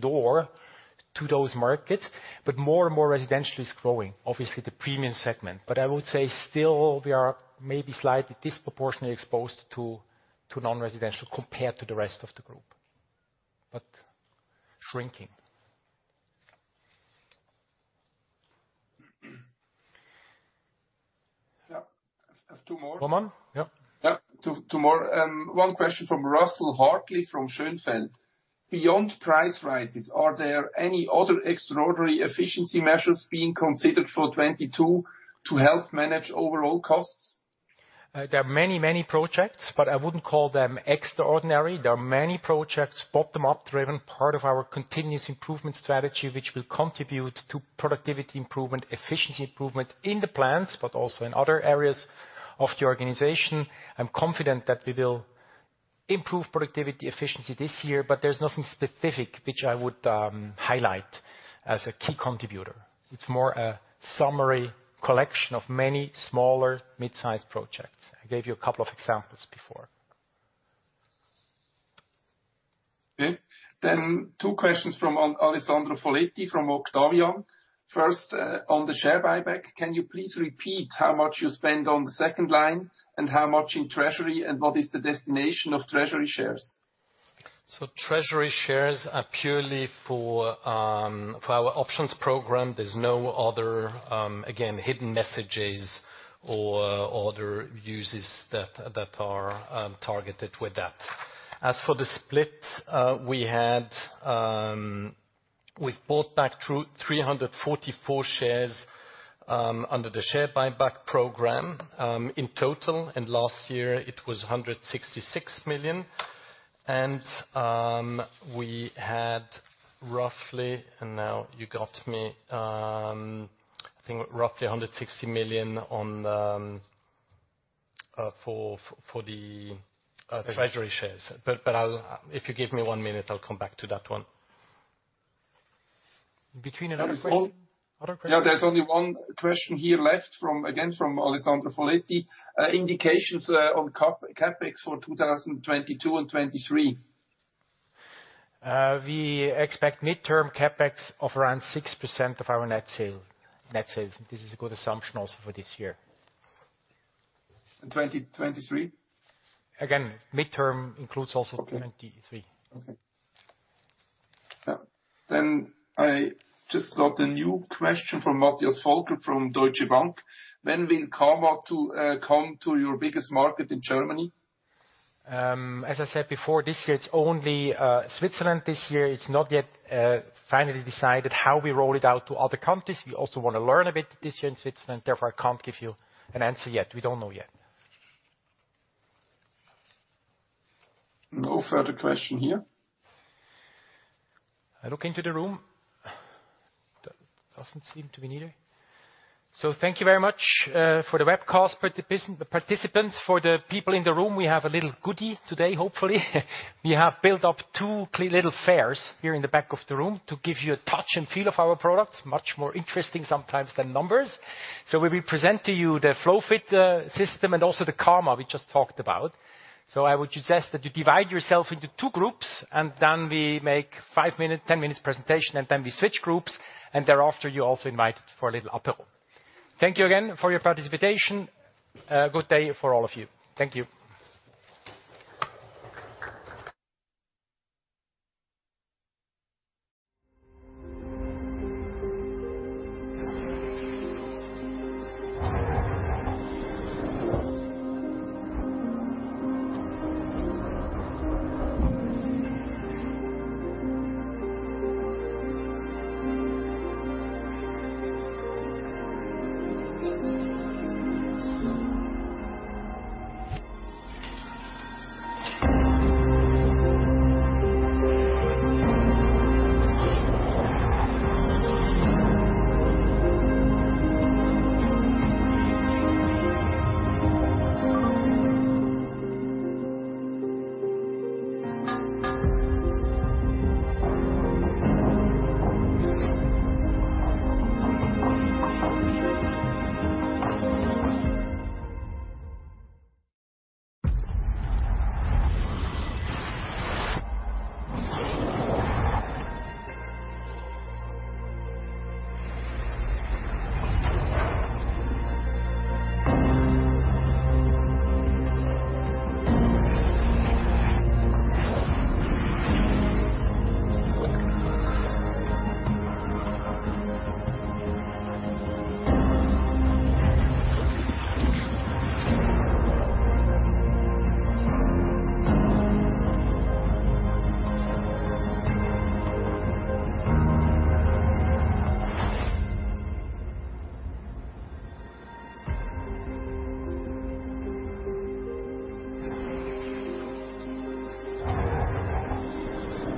door to those markets. More and more residential is growing, obviously, the premium segment. I would say still we are maybe slightly disproportionately exposed to non-residential compared to the rest of the group, but shrinking. Yeah. I have two more. Roman? Yeah. Two more. One question from Russell Hartley from Schonfeld. Beyond price rises, are there any other extraordinary efficiency measures being considered for 2022 to help manage overall costs? There are many, many projects, but I wouldn't call them extraordinary. There are many projects bottom-up driven, part of our continuous improvement strategy, which will contribute to productivity improvement, efficiency improvement in the plants, but also in other areas of the organization. I'm confident that we will improve productivity efficiency this year, but there's nothing specific which I would highlight as a key contributor. It's more a summary collection of many smaller mid-sized projects. I gave you a couple of examples before. Okay. Two questions from Alessandro Foletti from Octavian. First, on the share buyback, can you please repeat how much you spend on the second line and how much in treasury, and what is the destination of treasury shares? Treasury shares are purely for our options program. There's no other again hidden messages or other uses that are targeted with that. As for the split, we've bought back 344 shares under the share buyback program in total, and last year it was 166 million. Now you got me. I think roughly 160 million for the treasury shares. But I'll. If you give me one minute, I'll come back to that one. Yeah, there's only one question here left from, again, from Alessandro Foletti. Indications on CapEx for 2022 and 2023. We expect midterm CapEx of around 6% of our net sales. This is a good assumption also for this year. 2023? Again, midterm includes also 2023. Okay. I just got a new question from Matthias Völcker from Deutsche Bank. When will Karmato come to your biggest market in Germany? As I said before, this year it's only Switzerland this year. It's not yet finally decided how we roll it out to other countries. We also wanna learn a bit this year in Switzerland, therefore, I can't give you an answer yet. We don't know yet. No further question here. I look into the room. Doesn't seem to be anyone. Thank you very much for the webcast participants. For the people in the room, we have a little goodie today, hopefully. We have built up two little fairs here in the back of the room to give you a touch and feel of our products, much more interesting sometimes than numbers. We will present to you the FlowFit system and also the Caroma we just talked about. I would suggest that you divide yourself into two groups, and then we make 5-minute, 10-minute presentation, and then we switch groups, and thereafter you're also invited for a little apéro. Thank you again for your participation. Good day for all of you. Thank you.